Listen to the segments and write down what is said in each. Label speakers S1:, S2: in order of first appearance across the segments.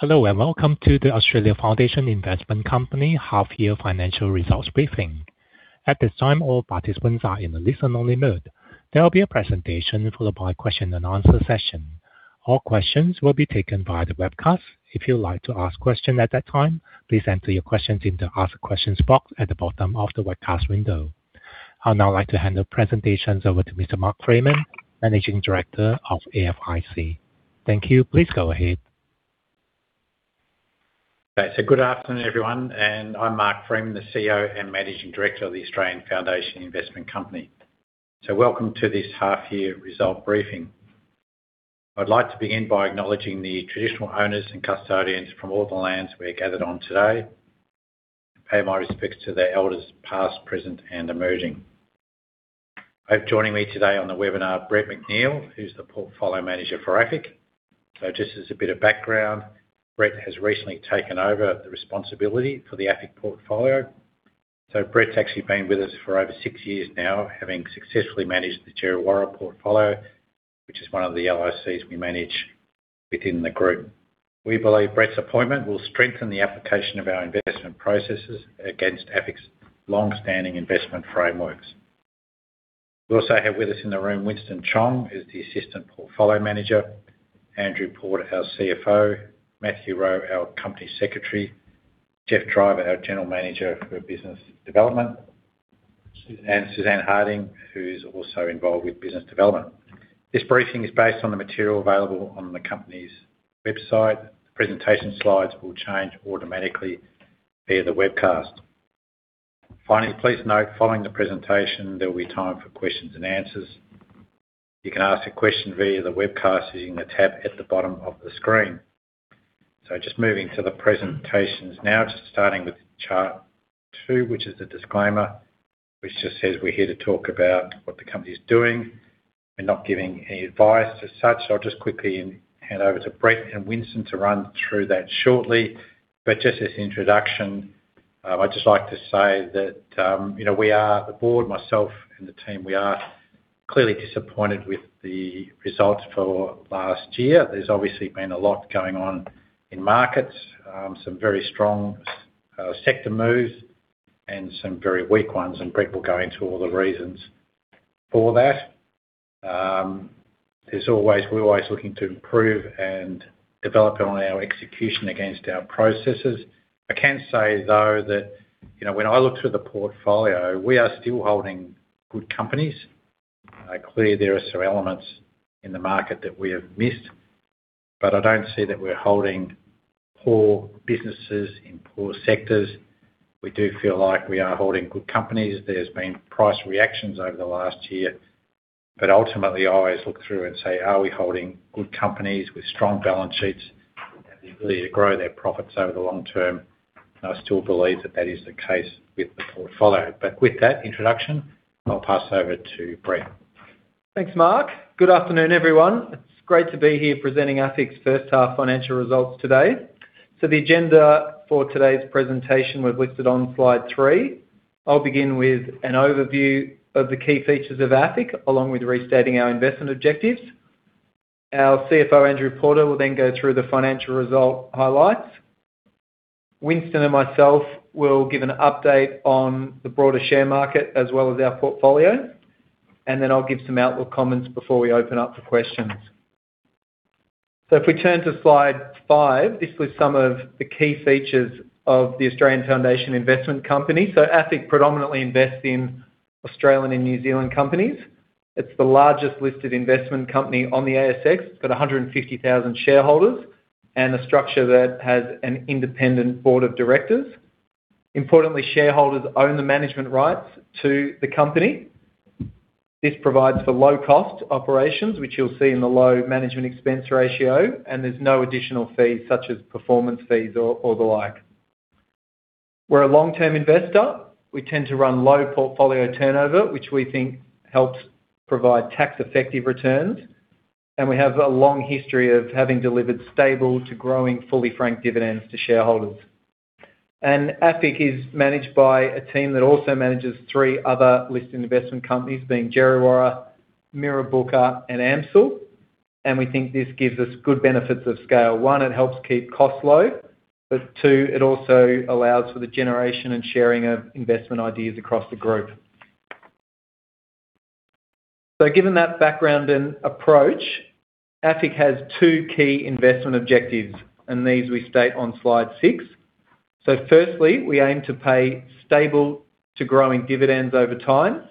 S1: Hello and welcome to the Australian Foundation Investment Company half-year financial results briefing. At this time, all participants are in a listen-only mode. There will be a presentation followed by a question-and-answer session. All questions will be taken via the webcast. If you'd like to ask questions at that time, please enter your questions in the Ask Questions box at the bottom of the webcast window. I'd now like to hand the presentations over to Mr. Mark Freeman, Managing Director of AFIC. Thank you. Please go ahead.
S2: Okay, so good afternoon, everyone. And I'm Mark Freeman, the CEO and Managing Director of the Australian Foundation Investment Company. So welcome to this half-year result briefing. I'd like to begin by acknowledging the traditional owners and custodians from all the lands we're gathered on today, and pay my respects to their elders past, present, and emerging. I have joining me today on the webinar Brett McNeill, who's the portfolio manager for AFIC. So just as a bit of background, Brett has recently taken over the responsibility for the AFIC portfolio. So Brett's actually been with us for over six years now, having successfully managed the Djerriwarrh portfolio, which is one of the LICs we manage within the group. We believe Brett's appointment will strengthen the application of our investment processes against AFIC's long-standing investment frameworks. We also have with us in the room Winston Chong as the Assistant Portfolio Manager, Andrew Porter, our CFO, Matthew Rowe, our Company Secretary, Geoff Driver, our General Manager for Business Development, and Suzanne Harding, who's also involved with business development. This briefing is based on the material available on the company's website. Presentation slides will change automatically via the webcast. Finally, please note following the presentation, there will be time for questions and answers. You can ask a question via the webcast using the tab at the bottom of the screen. So just moving to the presentations now, just starting with chart two, which is the disclaimer, which just says we're here to talk about what the company's doing. We're not giving any advice as such. I'll just quickly hand over to Brett and Winston to run through that shortly. But just as an introduction, I'd just like to say that we are the board, myself, and the team, we are clearly disappointed with the results for last year. There's obviously been a lot going on in markets, some very strong sector moves and some very weak ones. And Brett will go into all the reasons for that. We're always looking to improve and develop on our execution against our processes. I can say, though, that when I look through the portfolio, we are still holding good companies. Clearly, there are some elements in the market that we have missed, but I don't see that we're holding poor businesses in poor sectors. We do feel like we are holding good companies. There's been price reactions over the last year. But ultimately, I always look through and say, are we holding good companies with strong balance sheets and the ability to grow their profits over the long term? And I still believe that that is the case with the portfolio. But with that introduction, I'll pass over to Brett.
S3: Thanks, Mark. Good afternoon, everyone. It's great to be here presenting AFIC's first-half financial results today, so the agenda for today's presentation we've listed on slide three. I'll begin with an overview of the key features of AFIC, along with restating our investment objectives. Our CFO, Andrew Porter, will then go through the financial result highlights. Winston and myself will give an update on the broader share market as well as our portfolio, and then I'll give some outlook comments before we open up for questions, so if we turn to slide five, this was some of the key features of the Australian Foundation Investment Company. So AFIC predominantly invests in Australian and New Zealand companies. It's the largest listed investment company on the ASX. It's got 150,000 shareholders and a structure that has an independent board of directors. Importantly, shareholders own the management rights to the company. This provides for low-cost operations, which you'll see in the low management expense ratio. And there's no additional fees such as performance fees or the like. We're a long-term investor. We tend to run low portfolio turnover, which we think helps provide tax-effective returns. And we have a long history of having delivered stable to growing fully-franked dividends to shareholders. And AFIC is managed by a team that also manages three other listed investment companies, being Djerriwarrh, Mirrabooka, and AMCIL. And we think this gives us good benefits of scale. One, it helps keep costs low. But two, it also allows for the generation and sharing of investment ideas across the group. So given that background and approach, AFIC has two key investment objectives, and these we state on slide six. So firstly, we aim to pay stable to growing dividends over time.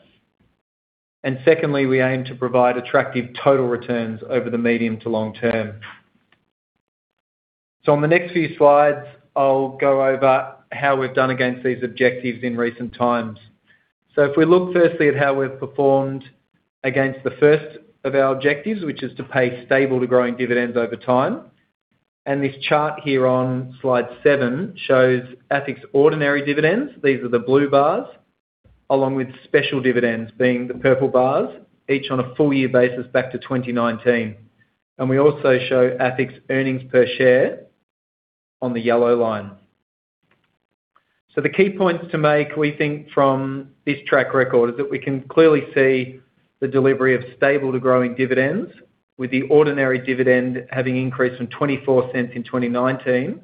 S3: Secondly, we aim to provide attractive total returns over the medium to long term. On the next few slides, I'll go over how we've done against these objectives in recent times. If we look firstly at how we've performed against the first of our objectives, which is to pay stable to growing dividends over time. This chart here on slide seven shows AFIC's ordinary dividends. These are the blue bars, along with special dividends being the purple bars, each on a full-year basis back to 2019. We also show AFIC's earnings per share on the yellow line. The key points to make, we think, from this track record is that we can clearly see the delivery of stable to growing dividends, with the ordinary dividend having increased from 0.24 in 2019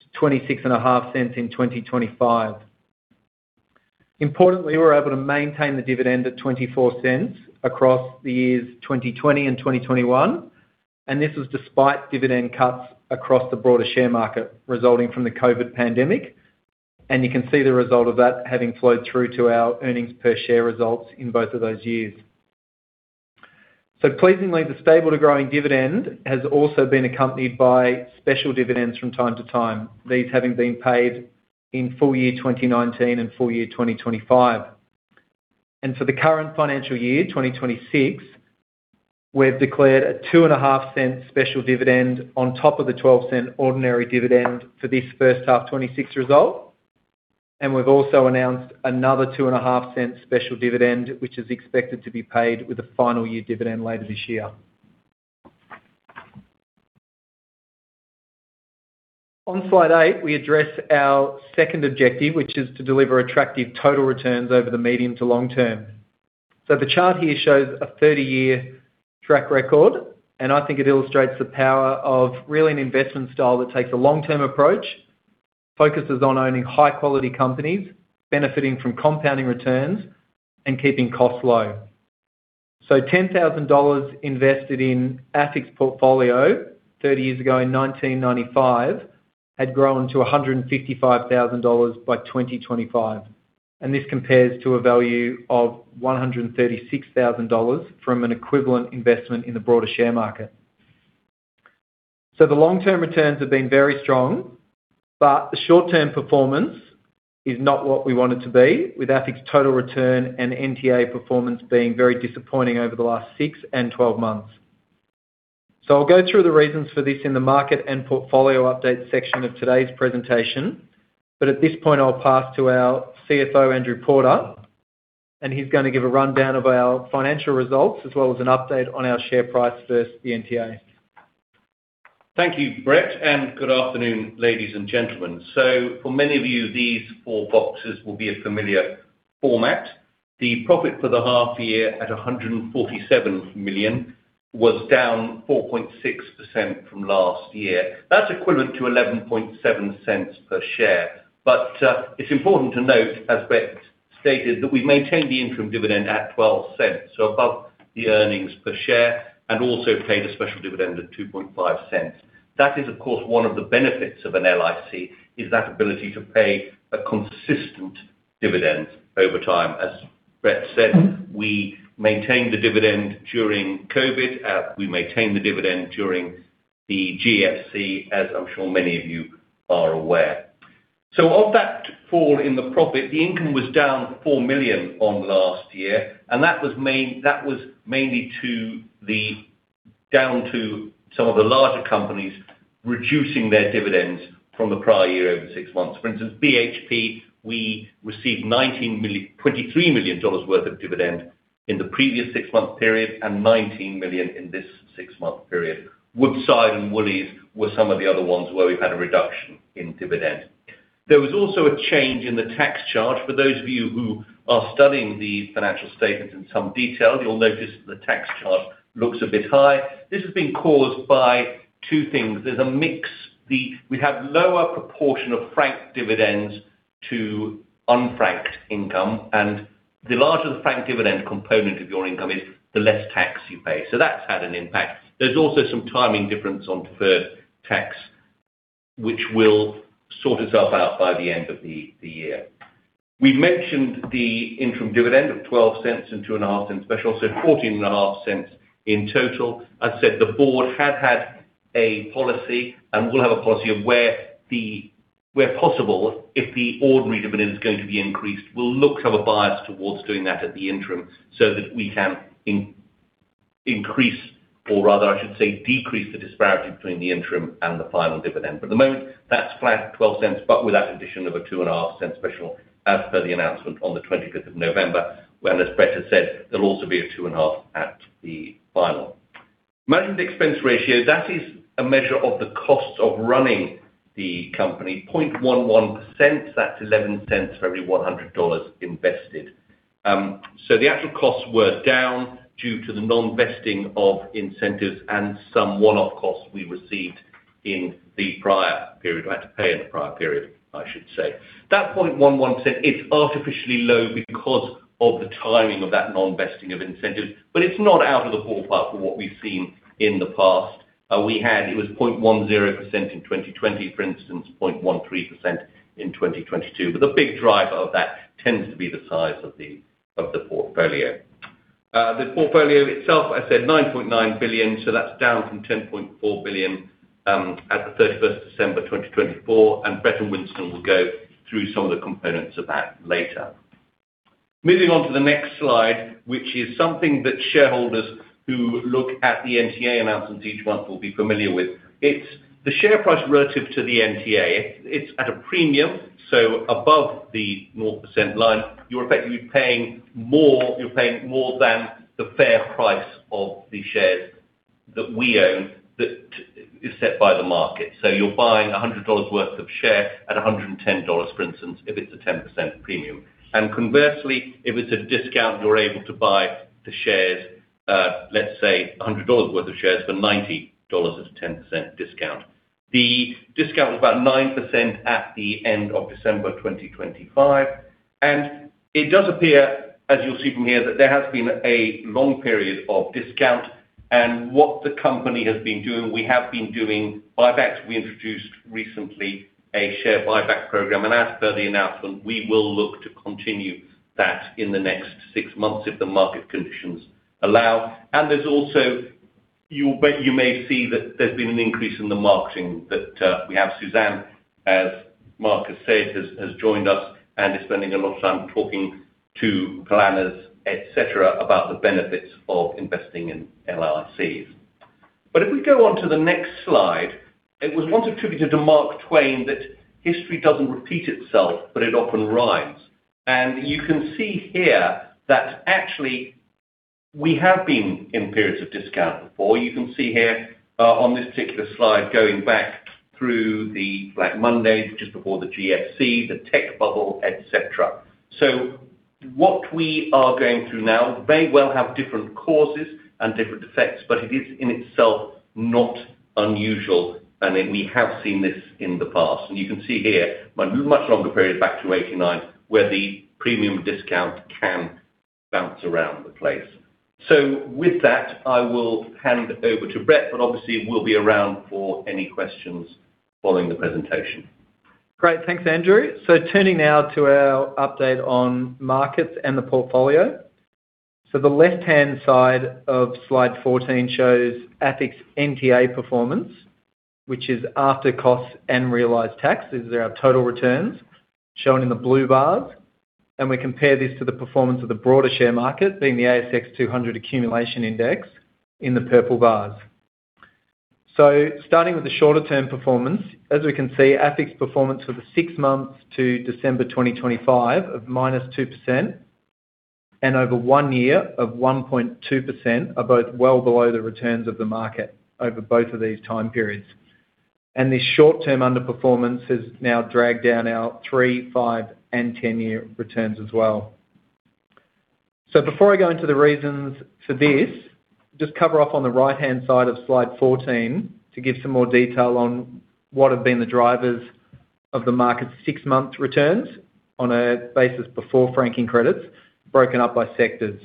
S3: to 0.265 in 2025. Importantly, we were able to maintain the dividend at 0.24 across the years 2020 and 2021. And this was despite dividend cuts across the broader share market resulting from the COVID pandemic. And you can see the result of that having flowed through to our earnings per share results in both of those years. So pleasingly, the stable to growing dividend has also been accompanied by special dividends from time to time, these having been paid in full-year 2019 and full-year 2025. And for the current financial year, 2026, we've declared a 0.025 special dividend on top of the 0.12 ordinary dividend for this first half 2026 result. And we've also announced another 0.025 special dividend, which is expected to be paid with a final year dividend later this year. On slide eight, we address our second objective, which is to deliver attractive total returns over the medium to long term. So the chart here shows a 30-year track record. And I think it illustrates the power of really an investment style that takes a long-term approach, focuses on owning high-quality companies, benefiting from compounding returns, and keeping costs low. So 10,000 dollars invested in AFIC's portfolio 30 years ago in 1995 had grown to 155,000 dollars by 2025. And this compares to a value of 136,000 dollars from an equivalent investment in the broader share market. So the long-term returns have been very strong, but the short-term performance is not what we want it to be, with AFIC's total return and NTA performance being very disappointing over the last six and 12 months. So I'll go through the reasons for this in the market and portfolio update section of today's presentation. But at this point, I'll pass to our CFO, Andrew Porter, and he's going to give a rundown of our financial results as well as an update on our share price versus the NTA.
S4: Thank you, Brett. And good afternoon, ladies and gentlemen. So for many of you, these four boxes will be a familiar format. The profit for the half year at 147 million was down 4.6% from last year. That's equivalent to 0.117 per share. But it's important to note, as Brett stated, that we've maintained the interim dividend at 0.12, so above the earnings per share, and also paid a special dividend at 0.025. That is, of course, one of the benefits of an LIC, is that ability to pay a consistent dividend over time. As Brett said, we maintained the dividend during COVID. We maintained the dividend during the GFC, as I'm sure many of you are aware. So of that fall in the profit, the income was down 4 million on last year. And that was mainly down to some of the larger companies reducing their dividends from the prior year over six months. For instance, BHP, we received 23 million dollars worth of dividend in the previous six-month period and 19 million in this six-month period. Woodside and Woolies were some of the other ones where we've had a reduction in dividend. There was also a change in the tax charge. For those of you who are studying the financial statements in some detail, you'll notice the tax charge looks a bit high. This has been caused by two things. There's a mix. We have lower proportion of franked dividends to unfranked income. And the larger the franked dividend component of your income is, the less tax you pay. So that's had an impact. There's also some timing difference on deferred tax, which will sort itself out by the end of the year. We've mentioned the interim dividend of 0.12 and 0.025 per share, also 0.145 in total. As I said, the board had had a policy and will have a policy of where possible, if the ordinary dividend is going to be increased, we'll look to have a bias towards doing that at the interim so that we can increase, or rather, I should say, decrease the disparity between the interim and the final dividend. But at the moment, that's flat at 0.12, but with that addition of 0.025 per share, as per the announcement on the 25th of November, when as Brett has said, there'll also be 0.025 at the final. Management expense ratio, that is a measure of the cost of running the company: 0.11%. That's 0.11 for every 100 dollars invested. So the actual costs were down due to the non-investing of incentives and some one-off costs we received in the prior period. We had to pay in the prior period, I should say. That 0.11%, it's artificially low because of the timing of that non-investing of incentives. But it's not out of the ballpark for what we've seen in the past. It was 0.10% in 2020, for instance, 0.13% in 2022. But the big driver of that tends to be the size of the portfolio. The portfolio itself, I said, 9.9 billion. So that's down from 10.4 billion at the 31st of December 2024. And Brett and Winston will go through some of the components of that later. Moving on to the next slide, which is something that shareholders who look at the NTA announcements each month will be familiar with. It's the share price relative to the NTA. It's at a premium, so above the 0% line. You're effectively paying more. You're paying more than the fair price of the shares that we own that is set by the market. So you're buying 100 dollars worth of share at 110 dollars, for instance, if it's a 10% premium. And conversely, if it's a discount, you're able to buy the shares, let's say, 100 dollars worth of shares for 90 dollars at a 10% discount. The discount was about 9% at the end of December 2025. And it does appear, as you'll see from here, that there has been a long period of discount. And what the company has been doing, we have been doing buybacks. We introduced recently a share buyback program. And as per the announcement, we will look to continue that in the next six months if the market conditions allow. And there's also, you may see that there's been an increase in the marketing that we have. Suzanne, as Mark has said, has joined us and is spending a lot of time talking to planners, etc., about the benefits of investing in LICs. But if we go on to the next slide, it was once attributed to Mark Twain that history doesn't repeat itself, but it often rhymes. And you can see here that actually we have been in periods of discount before. You can see here on this particular slide going back through the Black Monday, just before the GFC, the tech bubble, etc. So what we are going through now may well have different causes and different effects, but it is in itself not unusual. And we have seen this in the past. And you can see here a much longer period back to 1989 where the premium discount can bounce around the place. So with that, I will hand over to Brett, but obviously we'll be around for any questions following the presentation.
S3: Great. Thanks, Andrew. Turning now to our update on markets and the portfolio. The left-hand side of slide 14 shows AFIC's NTA performance, which is after costs and realized tax. These are our total returns shown in the blue bars. We compare this to the performance of the broader share market, being the ASX 200 Accumulation Index in the purple bars. Starting with the shorter-term performance, as we can see, AFIC's performance for the six months to December 2025 of -2% and over one year of 1.2% are both well below the returns of the market over both of these time periods. This short-term underperformance has now dragged down our three, five, and 10-year returns as well. So before I go into the reasons for this, just cover off on the right-hand side of slide 14 to give some more detail on what have been the drivers of the market's six-month returns on a basis before franking credits, broken up by sectors.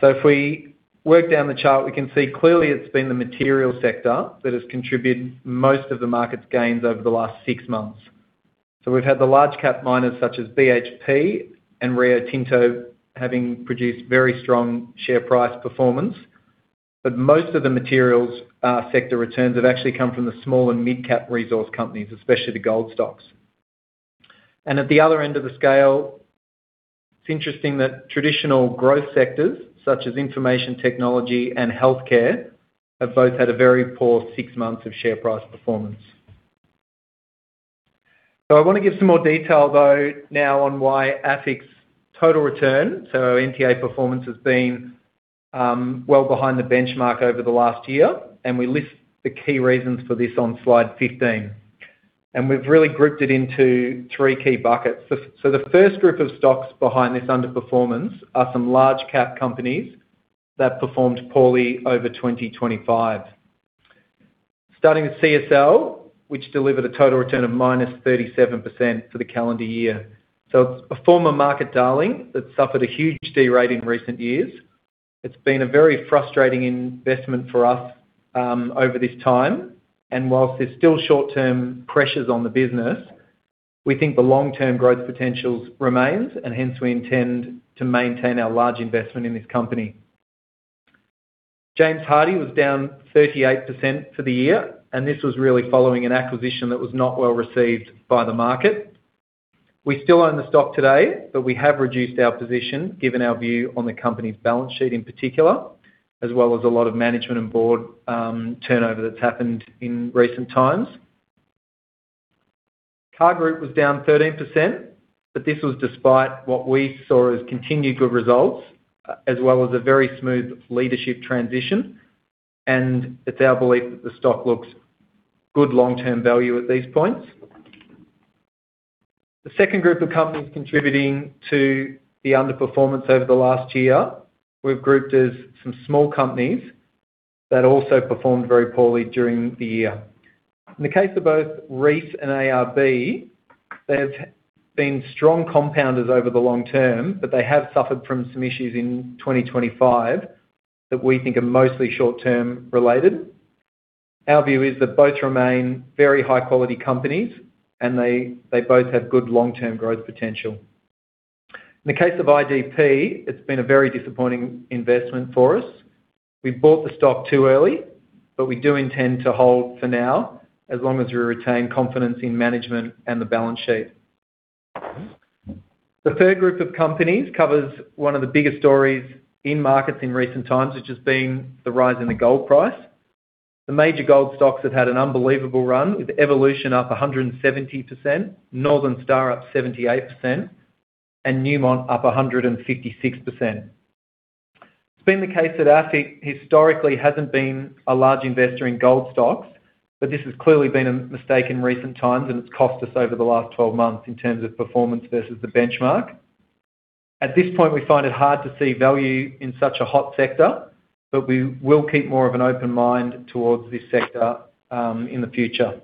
S3: So if we work down the chart, we can see clearly it's been the Materials sector that has contributed most of the market's gains over the last six months. So we've had the large-cap miners such as BHP and Rio Tinto having produced very strong share price performance. But most of the materials sector returns have actually come from the small and mid-cap resource companies, especially the gold stocks. And at the other end of the scale, it's interesting that traditional growth sectors such as Information Technology and Healthcare have both had a very poor six months of share price performance. I want to give some more detail, though, now on why AFIC's total return, so our NTA performance, has been well behind the benchmark over the last year. We list the key reasons for this on slide 15. We've really grouped it into three key buckets. The first group of stocks behind this underperformance are some large-cap companies that performed poorly over 2025, starting with CSL, which delivered a total return of -37% for the calendar year. It's a former market darling that's suffered a huge de-rate in recent years. It's been a very frustrating investment for us over this time. Whilst there's still short-term pressures on the business, we think the long-term growth potential remains. Hence, we intend to maintain our large investment in this company. James Hardie was down 38% for the year. And this was really following an acquisition that was not well received by the market. We still own the stock today, but we have reduced our position given our view on the company's balance sheet in particular, as well as a lot of management and board turnover that's happened in recent times. CAR Group was down 13%, but this was despite what we saw as continued good results, as well as a very smooth leadership transition. And it's our belief that the stock looks good long-term value at these points. The second group of companies contributing to the underperformance over the last year we've grouped as some small companies that also performed very poorly during the year. In the case of both Reece and ARB, they've been strong compounders over the long term, but they have suffered from some issues in 2025 that we think are mostly short-term related. Our view is that both remain very high-quality companies, and they both have good long-term growth potential. In the case of IDP, it's been a very disappointing investment for us. We bought the stock too early, but we do intend to hold for now as long as we retain confidence in management and the balance sheet. The third group of companies covers one of the biggest stories in markets in recent times, which has been the rise in the gold price. The major gold stocks have had an unbelievable run, with Evolution up 170%, Northern Star up 78%, and Newmont up 156%. It's been the case that AFIC historically hasn't been a large investor in gold stocks, but this has clearly been a mistake in recent times, and it's cost us over the last 12 months in terms of performance versus the benchmark. At this point, we find it hard to see value in such a hot sector, but we will keep more of an open mind towards this sector in the future,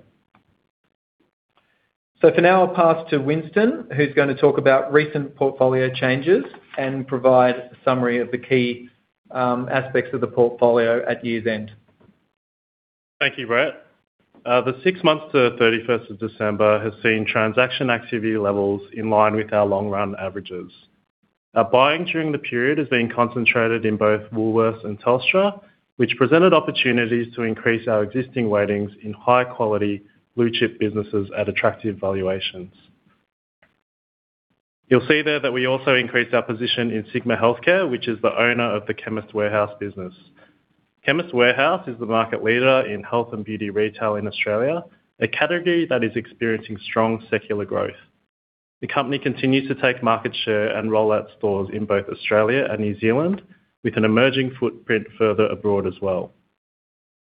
S3: so for now, I'll pass to Winston, who's going to talk about recent portfolio changes and provide a summary of the key aspects of the portfolio at year's end.
S5: Thank you, Brett. The six months to 31st of December has seen transaction activity levels in line with our long-run averages. Our buying during the period has been concentrated in both Woolworths and Telstra, which presented opportunities to increase our existing positions in high-quality blue-chip businesses at attractive valuations. You'll see there that we also increased our position in Sigma Healthcare, which is the owner of the Chemist Warehouse business. Chemist Warehouse is the market leader in health and beauty retail in Australia, a category that is experiencing strong secular growth. The company continues to take market share and roll out stores in both Australia and New Zealand, with an emerging footprint further abroad as well.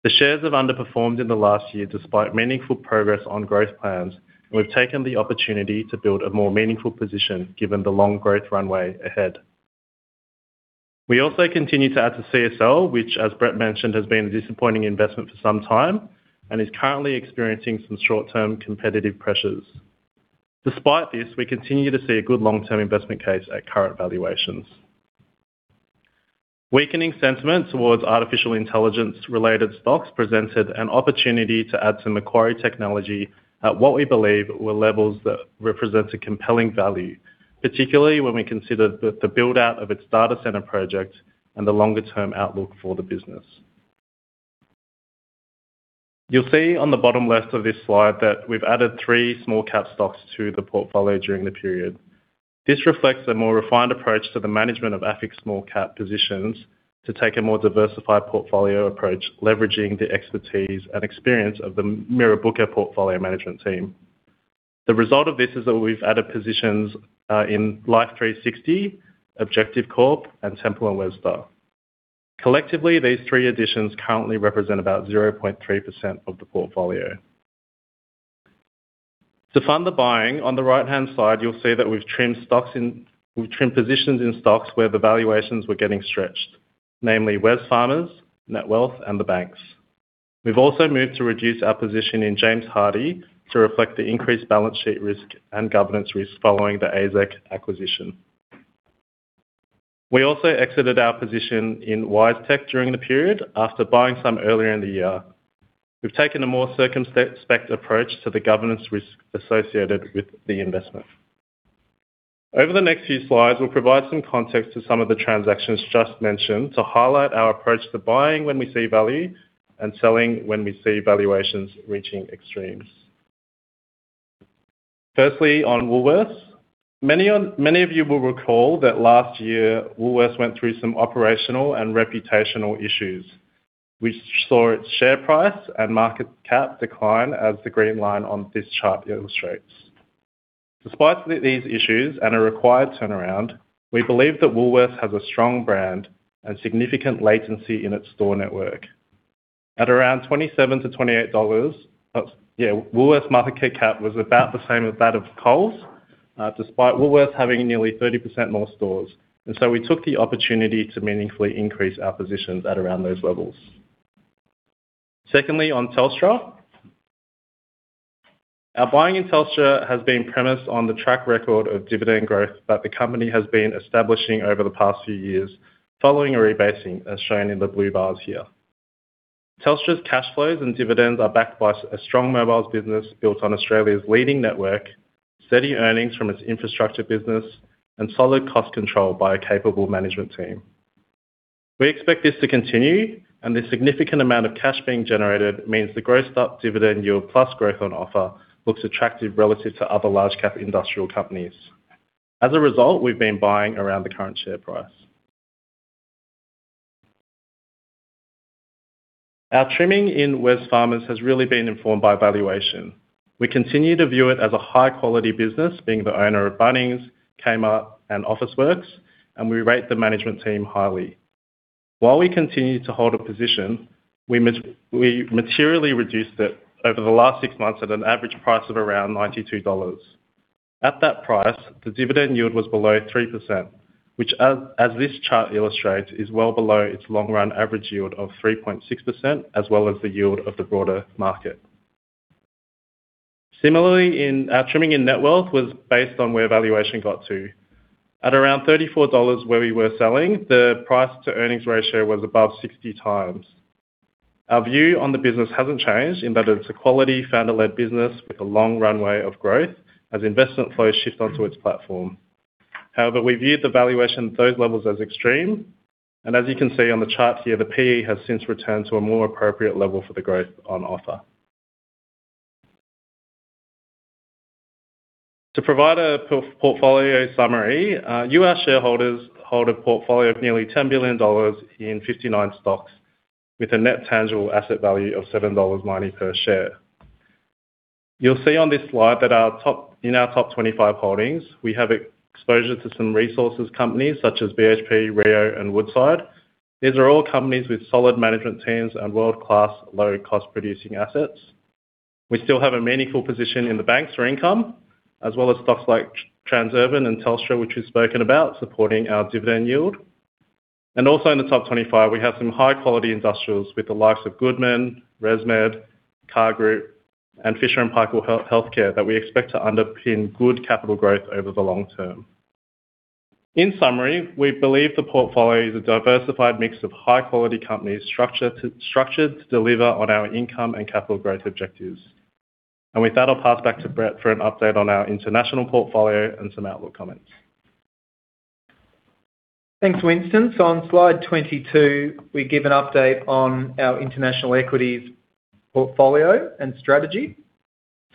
S5: The shares have underperformed in the last year despite meaningful progress on growth plans, and we've taken the opportunity to build a more meaningful position given the long growth runway ahead. We also continue to add to CSL, which, as Brett mentioned, has been a disappointing investment for some time and is currently experiencing some short-term competitive pressures. Despite this, we continue to see a good long-term investment case at current valuations. Weakening sentiment towards artificial intelligence-related stocks presented an opportunity to add to Macquarie Technology at what we believe were levels that represent a compelling value, particularly when we consider the build-out of its data center project and the longer-term outlook for the business. You'll see on the bottom left of this slide that we've added three small-cap stocks to the portfolio during the period. This reflects a more refined approach to the management of AFIC's small-cap positions to take a more diversified portfolio approach, leveraging the expertise and experience of the Mirrabooka portfolio management team. The result of this is that we've added positions in Life360, Objective Corporation, and Temple & Webster. Collectively, these three additions currently represent about 0.3% of the portfolio. To fund the buying, on the right-hand side, you'll see that we've trimmed positions in stocks where the valuations were getting stretched, namely Wesfarmers, Netwealth, and the banks. We've also moved to reduce our position in James Hardie to reflect the increased balance sheet risk and governance risk following the AZEK acquisition. We also exited our position in WiseTech during the period after buying some earlier in the year. We've taken a more circumspect approach to the governance risk associated with the investment. Over the next few slides, we'll provide some context to some of the transactions just mentioned to highlight our approach to buying when we see value and selling when we see valuations reaching extremes. Firstly, on Woolworths, many of you will recall that last year, Woolworths went through some operational and reputational issues, which saw its share price and market cap decline as the green line on this chart illustrates. Despite these issues and a required turnaround, we believe that Woolworths has a strong brand and significant latency in its store network. At around 27-28 dollars, Woolworths' market cap was about the same as that of Coles, despite Woolworths having nearly 30% more stores. And so we took the opportunity to meaningfully increase our positions at around those levels. Secondly, on Telstra, our buying in Telstra has been premised on the track record of dividend growth that the company has been establishing over the past few years, following a rebasing as shown in the blue bars here. Telstra's cash flows and dividends are backed by a strong mobile business built on Australia's leading network, steady earnings from its infrastructure business, and solid cost control by a capable management team. We expect this to continue, and the significant amount of cash being generated means the gross dividend yield plus growth on offer looks attractive relative to other large-cap industrial companies. As a result, we've been buying around the current share price. Our trimming in Wesfarmers has really been informed by valuation. We continue to view it as a high-quality business, being the owner of Bunnings, Kmart, and Officeworks, and we rate the management team highly. While we continue to hold a position, we materially reduced it over the last six months at an average price of around 92 dollars. At that price, the dividend yield was below 3%, which, as this chart illustrates, is well below its long-run average yield of 3.6%, as well as the yield of the broader market. Similarly, our trimming in Netwealth was based on where valuation got to. At around 34 dollars where we were selling, the price-to-earnings ratio was above 60x. Our view on the business hasn't changed in that it's a quality founder-led business with a long runway of growth as investment flows shift onto its platform. However, we viewed the valuation at those levels as extreme. And as you can see on the chart here, the PE has since returned to a more appropriate level for the growth on offer. To provide a portfolio summary, U.S. shareholders hold a portfolio of nearly 10 billion dollars in 59 stocks, with a net tangible asset value of 7.90 dollars per share. You'll see on this slide that in our top 25 holdings, we have exposure to some resources companies such as BHP, Rio, and Woodside. These are all companies with solid management teams and world-class low-cost producing assets. We still have a meaningful position in the banks for income, as well as stocks like Transurban and Telstra, which we've spoken about, supporting our dividend yield. And also in the top 25, we have some high-quality industrials with the likes of Goodman, ResMed, Car Group, and Fisher & Paykel Healthcare that we expect to underpin good capital growth over the long term. In summary, we believe the portfolio is a diversified mix of high-quality companies structured to deliver on our income and capital growth objectives. And with that, I'll pass back to Brett for an update on our international portfolio and some outlook comments.
S3: Thanks, Winston. So on slide 22, we give an update on our international equities portfolio and strategy.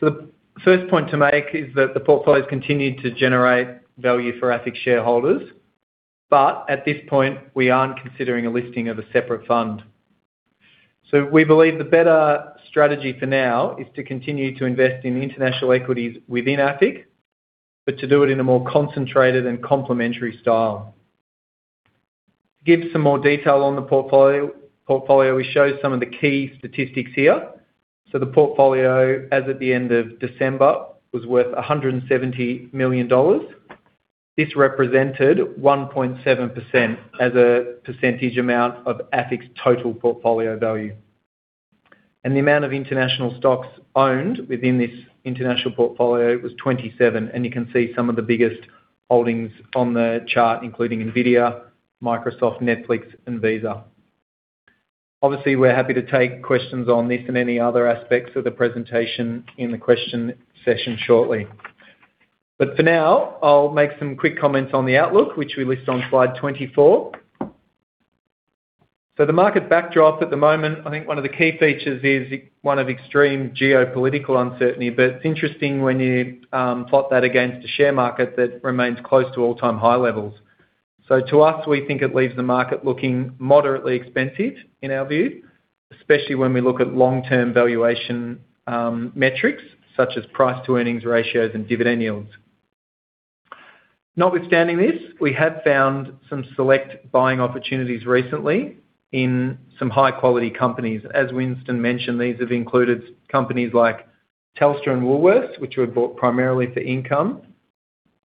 S3: So the first point to make is that the portfolio has continued to generate value for AFIC shareholders, but at this point, we aren't considering a listing of a separate fund. So we believe the better strategy for now is to continue to invest in international equities within AFIC, but to do it in a more concentrated and complementary style. To give some more detail on the portfolio, we show some of the key statistics here. So the portfolio, as at the end of December, was worth 170 million dollars. This represented 1.7% as a percentage amount of AFIC's total portfolio value. And the amount of international stocks owned within this international portfolio was 27. And you can see some of the biggest holdings on the chart, including NVIDIA, Microsoft, Netflix, and Visa. Obviously, we're happy to take questions on this and any other aspects of the presentation in the question session shortly. But for now, I'll make some quick comments on the outlook, which we list on slide 24. So the market backdrop at the moment, I think one of the key features is one of extreme geopolitical uncertainty, but it's interesting when you plot that against a share market that remains close to all-time high levels. So to us, we think it leaves the market looking moderately expensive in our view, especially when we look at long-term valuation metrics such as price-to-earnings ratios and dividend yields. Notwithstanding this, we have found some select buying opportunities recently in some high-quality companies. As Winston mentioned, these have included companies like Telstra and Woolworths, which were bought primarily for income,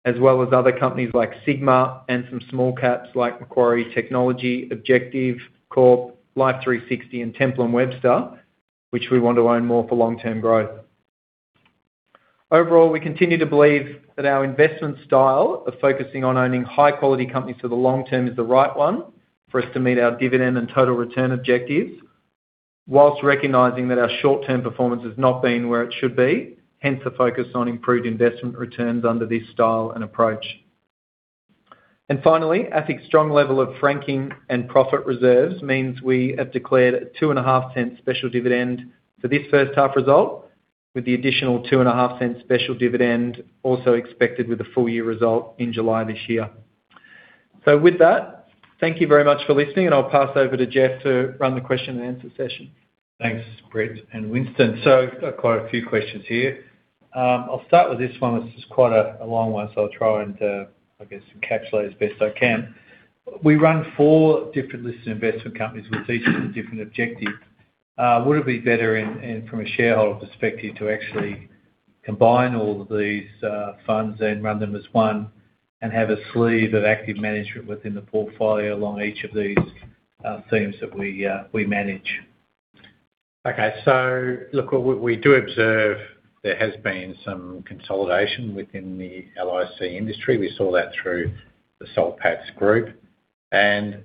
S3: as well as other companies like Sigma and some small caps like Macquarie Technology, Objective Corp, Life360, and Temple and Webster, which we want to own more for long-term growth. Overall, we continue to believe that our investment style of focusing on owning high-quality companies for the long term is the right one for us to meet our dividend and total return objectives, while recognizing that our short-term performance has not been where it should be, hence the focus on improved investment returns under this style and approach. And finally, AFIC's strong level of franking and profit reserves means we have declared a 2.5% special dividend for this first half result, with the additional 2.5% special dividend also expected with the full-year result in July this year. So with that, thank you very much for listening, and I'll pass over to Geoff to run the question and answer session.
S6: Thanks, Brett and Winston. So we've got quite a few questions here. I'll start with this one. This is quite a long one, so I'll try and, I guess, encapsulate as best I can. We run four different listed investment companies with these different objectives. Would it be better from a shareholder perspective to actually combine all of these funds and run them as one and have a sleeve of active management within the portfolio along each of these themes that we manage?
S2: Okay. So look, we do observe there has been some consolidation within the LIC industry. We saw that through the Washington H. Soul Pattinson. And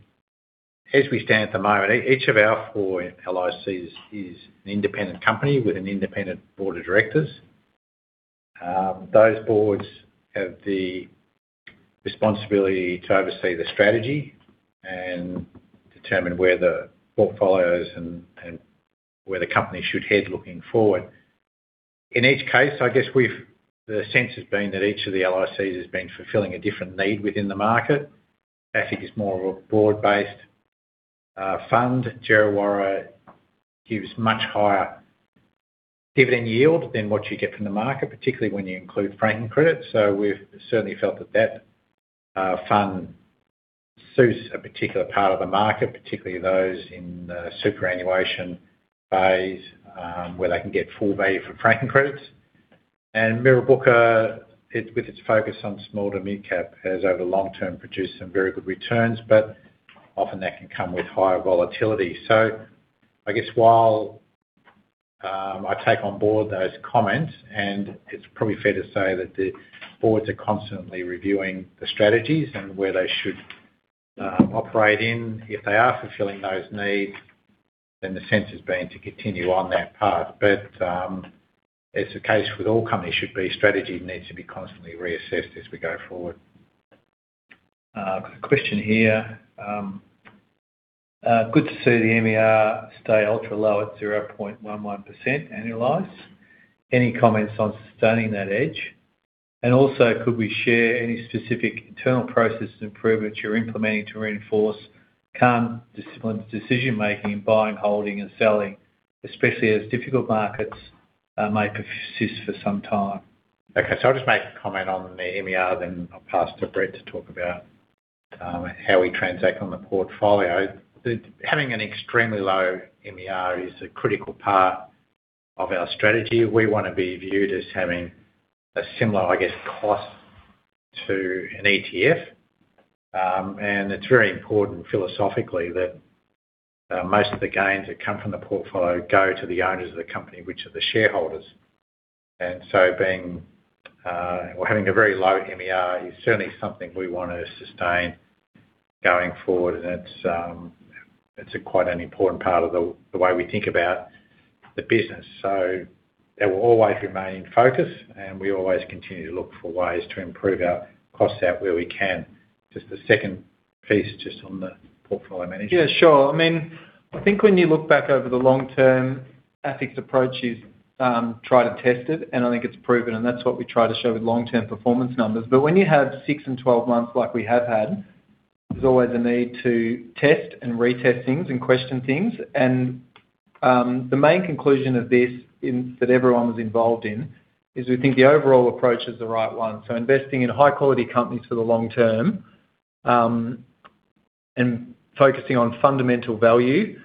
S2: as we stand at the moment, each of our four LICs is an independent company with an independent board of directors. Those boards have the responsibility to oversee the strategy and determine where the portfolios and where the company should head looking forward. In each case, I guess the sense has been that each of the LICs has been fulfilling a different need within the market. AFIC is more of a broad-based fund. Djerriwarrh gives much higher dividend yield than what you get from the market, particularly when you include franking credits. So we've certainly felt that that fund suits a particular part of the market, particularly those in the superannuation phase where they can get full value from franking credits. Mirrabooka, with its focus on small to mid-cap, has over the long term produced some very good returns, but often that can come with higher volatility. So I guess while I take on board those comments, and it's probably fair to say that the boards are constantly reviewing the strategies and where they should operate in if they are fulfilling those needs, then the sense has been to continue on that path. As the case with all companies should be, strategy needs to be constantly reassessed as we go forward.
S6: Question here. Good to see the MER stay ultra low at 0.11% annualized. Any comments on sustaining that edge? And also, could we share any specific internal process improvements you're implementing to reinforce calm discipline decision-making in buying, holding, and selling, especially as difficult markets may persist for some time?
S2: Okay. So I'll just make a comment on the MER, then I'll pass to Brett to talk about how we transact on the portfolio. Having an extremely low MER is a critical part of our strategy. We want to be viewed as having a similar, I guess, cost to an ETF. And it's very important philosophically that most of the gains that come from the portfolio go to the owners of the company, which are the shareholders. And so having a very low MER is certainly something we want to sustain going forward, and it's quite an important part of the way we think about the business. So that will always remain in focus, and we always continue to look for ways to improve our costs out where we can. Just the second piece just on the portfolio management.
S3: Yeah, sure. I mean, I think when you look back over the long term, AFIC's approach is try to test it, and I think it's proven, and that's what we try to show with long-term performance numbers. But when you have six and 12 months like we have had, there's always a need to test and retest things and question things. And the main conclusion of this that everyone was involved in is we think the overall approach is the right one. So investing in high-quality companies for the long term and focusing on fundamental value,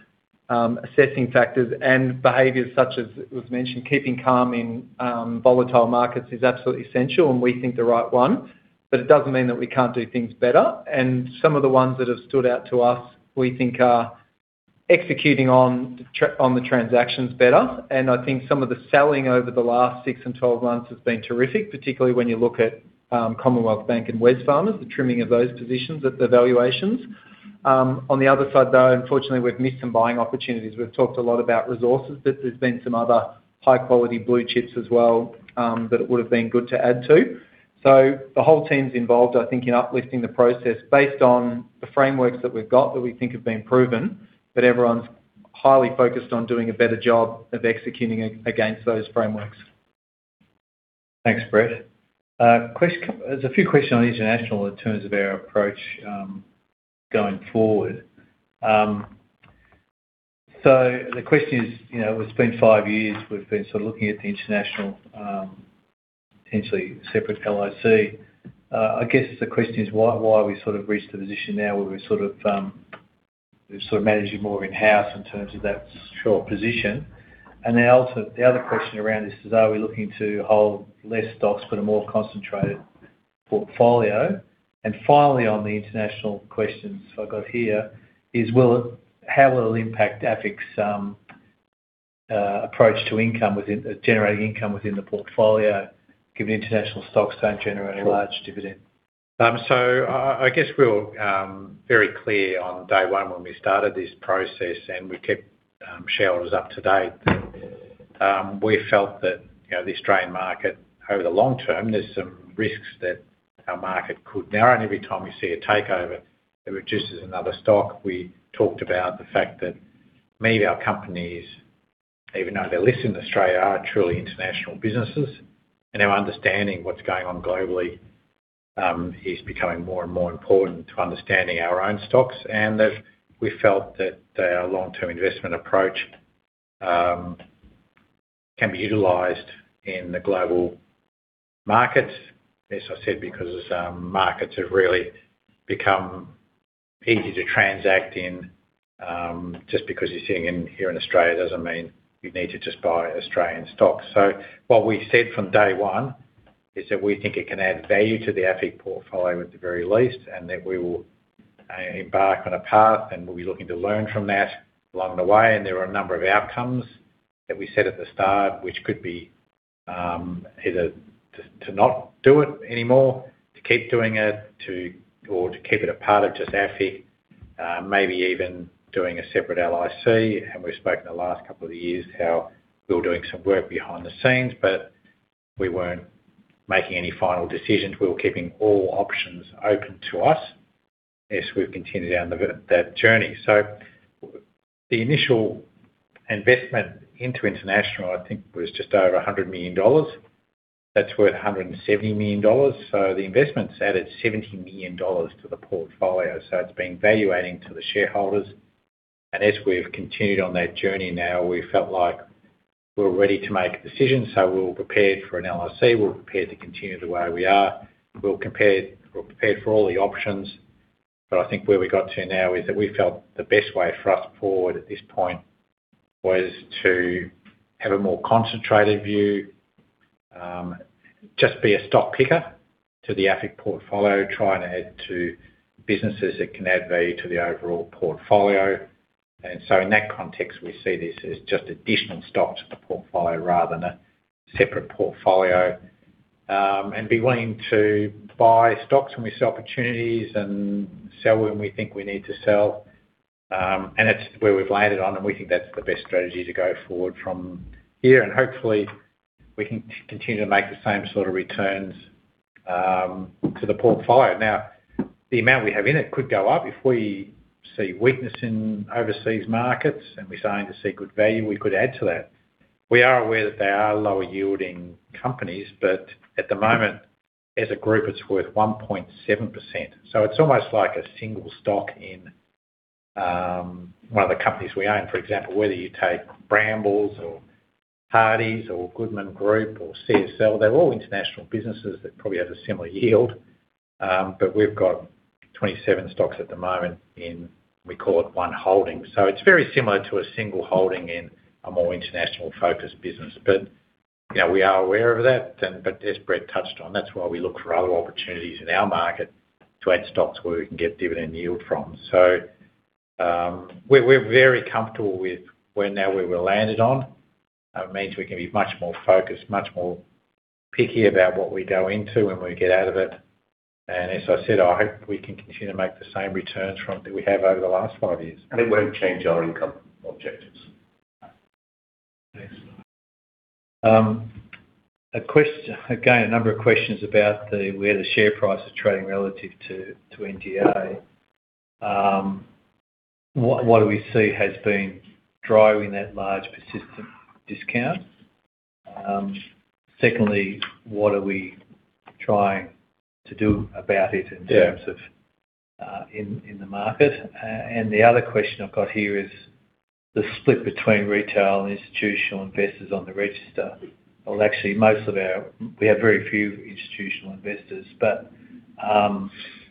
S3: assessing factors and behaviors such as it was mentioned, keeping calm in volatile markets is absolutely essential, and we think the right one. But it doesn't mean that we can't do things better. And some of the ones that have stood out to us, we think, are executing on the transactions better. And I think some of the selling over the last six and 12 months has been terrific, particularly when you look at Commonwealth Bank and Wesfarmers, the trimming of those positions at the valuations. On the other side, though, unfortunately, we've missed some buying opportunities. We've talked a lot about resources, but there's been some other high-quality blue chips as well that it would have been good to add to. So the whole team's involved, I think, in uplifting the process based on the frameworks that we've got that we think have been proven, but everyone's highly focused on doing a better job of executing against those frameworks.
S6: Thanks, Brett. There's a few questions on international in terms of our approach going forward. So the question is, it's been five years we've been sort of looking at the international, potentially separate LIC. I guess the question is why we sort of reached the position now where we're sort of managing more in-house in terms of that short position. And then the other question around this is, are we looking to hold less stocks but a more concentrated portfolio? And finally, on the international questions I got here, how will it impact AFIC's approach to generating income within the portfolio, given international stocks don't generate a large dividend?
S2: So I guess we were very clear on day one when we started this process, and we kept shareholders up to date that we felt that the Australian market, over the long term, there's some risks that our market could narrow. And every time we see a takeover that reduces another stock, we talked about the fact that many of our companies, even though they're listed in Australia, are truly international businesses. And our understanding of what's going on globally is becoming more and more important to understanding our own stocks. And we felt that our long-term investment approach can be utilized in the global markets, as I said, because markets have really become easy to transact in. Just because you're sitting here in Australia doesn't mean you need to just buy Australian stocks. So what we said from day one is that we think it can add value to the AFIC portfolio at the very least, and that we will embark on a path, and we'll be looking to learn from that along the way. And there are a number of outcomes that we set at the start, which could be either to not do it anymore, to keep doing it, or to keep it a part of just AFIC, maybe even doing a separate LIC. And we've spoken the last couple of years how we were doing some work behind the scenes, but we weren't making any final decisions. We were keeping all options open to us as we've continued down that journey. So the initial investment into international, I think, was just over 100 million dollars. That's worth 170 million dollars. So the investment's added 70 million dollars to the portfolio. So it's been accreting to the shareholders. And as we've continued on that journey now, we felt like we were ready to make decisions. So we were prepared for an LIC. We were prepared to continue the way we are. We were prepared for all the options. But I think where we got to now is that we felt the best way for us forward at this point was to have a more concentrated view, just be a stock picker to the AFIC portfolio, trying to add to businesses that can add value to the overall portfolio. And so in that context, we see this as just additional stocks to the portfolio rather than a separate portfolio, and be willing to buy stocks when we see opportunities and sell when we think we need to sell. That's where we've landed on, and we think that's the best strategy to go forward from here. Hopefully, we can continue to make the same sort of returns to the portfolio. Now, the amount we have in it could go up. If we see weakness in overseas markets and we're starting to see good value, we could add to that. We are aware that they are lower-yielding companies, but at the moment, as a group, it's worth 1.7%. So it's almost like a single stock in one of the companies we own. For example, whether you take Brambles or Hardie or Goodman Group or CSL, they're all international businesses that probably have a similar yield. But we've got 27 stocks at the moment in, we call it, one holding. So it's very similar to a single holding in a more international-focused business. But we are aware of that, but as Brett touched on, that's why we look for other opportunities in our market to add stocks where we can get dividend yield from. So we're very comfortable with where now we were landed on. It means we can be much more focused, much more picky about what we go into when we get out of it. And as I said, I hope we can continue to make the same returns that we have over the last five years. And it won't change our income objectives.
S6: Again, a number of questions about where the share price is trading relative to NTA. What do we see has been driving that large persistent discount? Secondly, what are we trying to do about it in terms of the market? And the other question I've got here is the split between retail and institutional investors on the register. Well, actually, most of our, we have very few institutional investors, but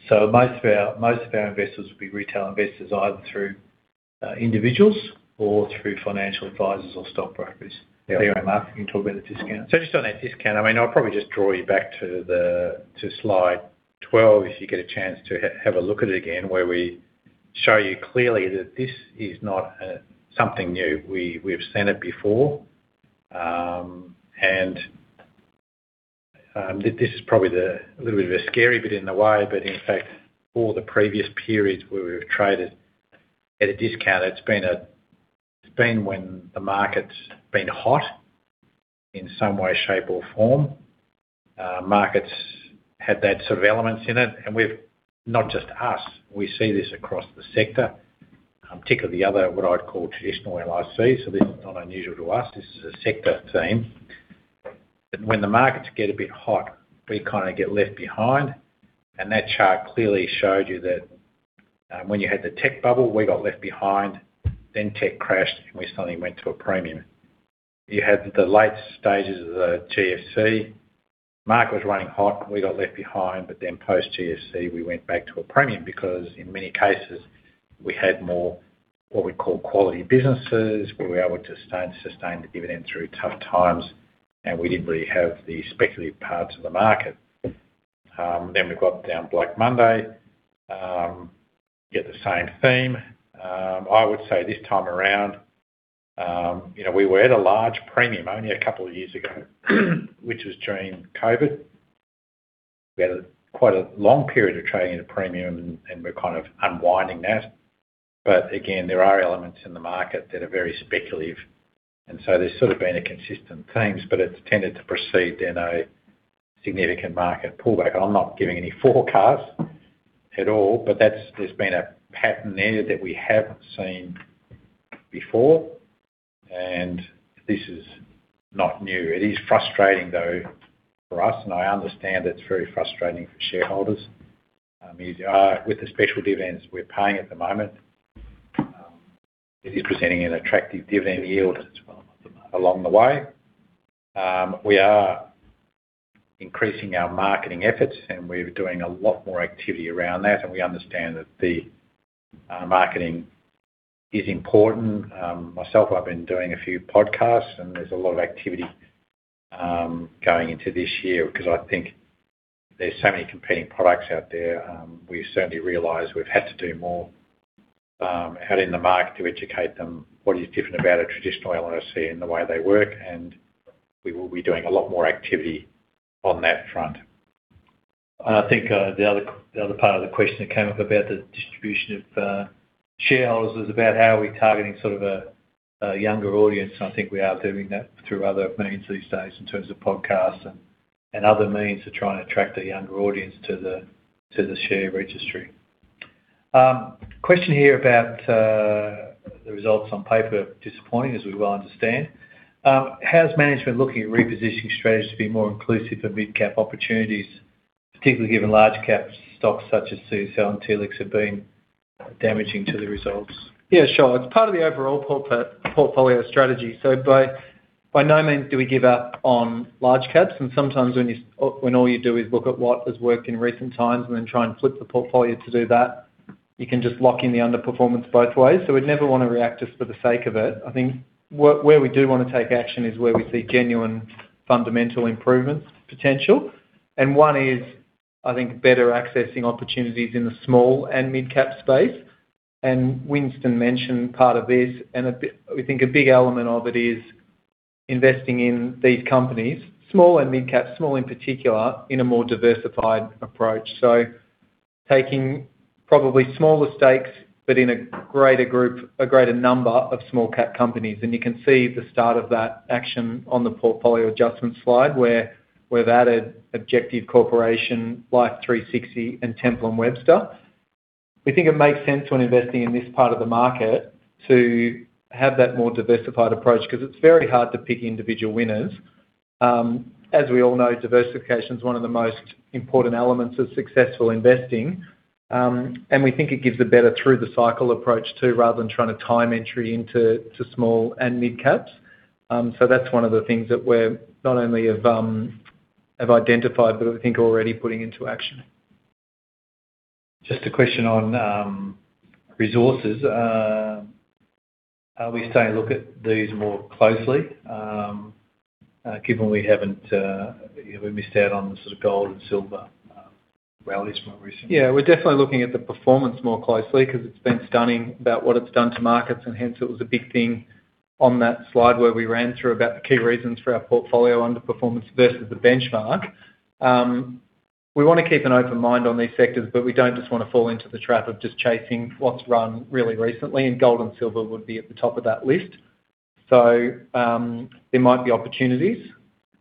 S6: so most of our investors will be retail investors either through individuals or through financial advisors or stock brokers. Clear and marketing talk about the discount.
S2: So just on that discount, I mean, I'll probably just draw you back to slide 12 if you get a chance to have a look at it again, where we show you clearly that this is not something new. We've seen it before. And this is probably a little bit of a scary bit in a way, but in fact, all the previous periods where we've traded at a discount, it's been when the market's been hot in some way, shape, or form. Markets had that sort of element in it. And we've not just us. We see this across the sector, particularly the other what I'd call traditional LICs. So this is not unusual to us. This is a sector theme. But when the markets get a bit hot, we kind of get left behind. And that chart clearly showed you that when you had the tech bubble, we got left behind, then tech crashed, and we suddenly went to a premium. You had the late stages of the GFC. Market was running hot. We got left behind. But then post-GFC, we went back to a premium because in many cases, we had more what we'd call quality businesses where we were able to sustain the dividend through tough times, and we didn't really have the speculative parts of the market. Then we got down Black Monday. You get the same theme. I would say this time around, we were at a large premium only a couple of years ago, which was during COVID. We had quite a long period of trading at a premium, and we're kind of unwinding that. But again, there are elements in the market that are very speculative. And so there's sort of been a consistent theme, but it's tended to proceed in a significant market pullback. I'm not giving any forecasts at all, but there's been a pattern there that we haven't seen before. And this is not new. It is frustrating, though, for us. And I understand it's very frustrating for shareholders. With the special dividends we're paying at the moment, it is presenting an attractive dividend yield as well along the way. We are increasing our marketing efforts, and we're doing a lot more activity around that. And we understand that the marketing is important. Myself, I've been doing a few podcasts, and there's a lot of activity going into this year because I think there's so many competing products out there. We certainly realize we've had to do more out in the market to educate them what is different about a traditional LIC and the way they work. And we will be doing a lot more activity on that front.
S6: I think the other part of the question that came up about the distribution of shareholders was about how are we targeting sort of a younger audience, and I think we are doing that through other means these days in terms of podcasts and other means to try and attract a younger audience to the share registry. Question here about the results on paper are disappointing, as we well understand. How's management looking at repositioning strategies to be more inclusive of mid-cap opportunities, particularly given large-cap stocks such as CSL and Telstra have been damaging to the results?
S3: Yeah, sure. It's part of the overall portfolio strategy. So by no means do we give up on large-caps. And sometimes when all you do is look at what has worked in recent times and then try and flip the portfolio to do that, you can just lock in the underperformance both ways. So we'd never want to react just for the sake of it. I think where we do want to take action is where we see genuine fundamental improvement potential. And one is, I think, better accessing opportunities in the small and mid-cap space. And Winston mentioned part of this. And we think a big element of it is investing in these companies, small and mid-cap, small in particular, in a more diversified approach. So taking probably smaller stakes but in a greater group, a greater number of small-cap companies. You can see the start of that action on the portfolio adjustment slide where we've added Objective Corporation, Life360, and Temple & Webster. We think it makes sense when investing in this part of the market to have that more diversified approach because it's very hard to pick individual winners. As we all know, diversification is one of the most important elements of successful investing. And we think it gives a better through-the-cycle approach too rather than trying to time entry into small and mid-caps. So that's one of the things that we're not only have identified, but we think are already putting into action.
S6: Just a question on resources. Are we starting to look at these more closely, given we haven't missed out on the sort of gold and silver rallies from recently?
S3: Yeah. We're definitely looking at the performance more closely because it's been stunning about what it's done to markets. And hence, it was a big thing on that slide where we ran through about the key reasons for our portfolio underperformance versus the benchmark. We want to keep an open mind on these sectors, but we don't just want to fall into the trap of just chasing what's run really recently. And gold and silver would be at the top of that list. So there might be opportunities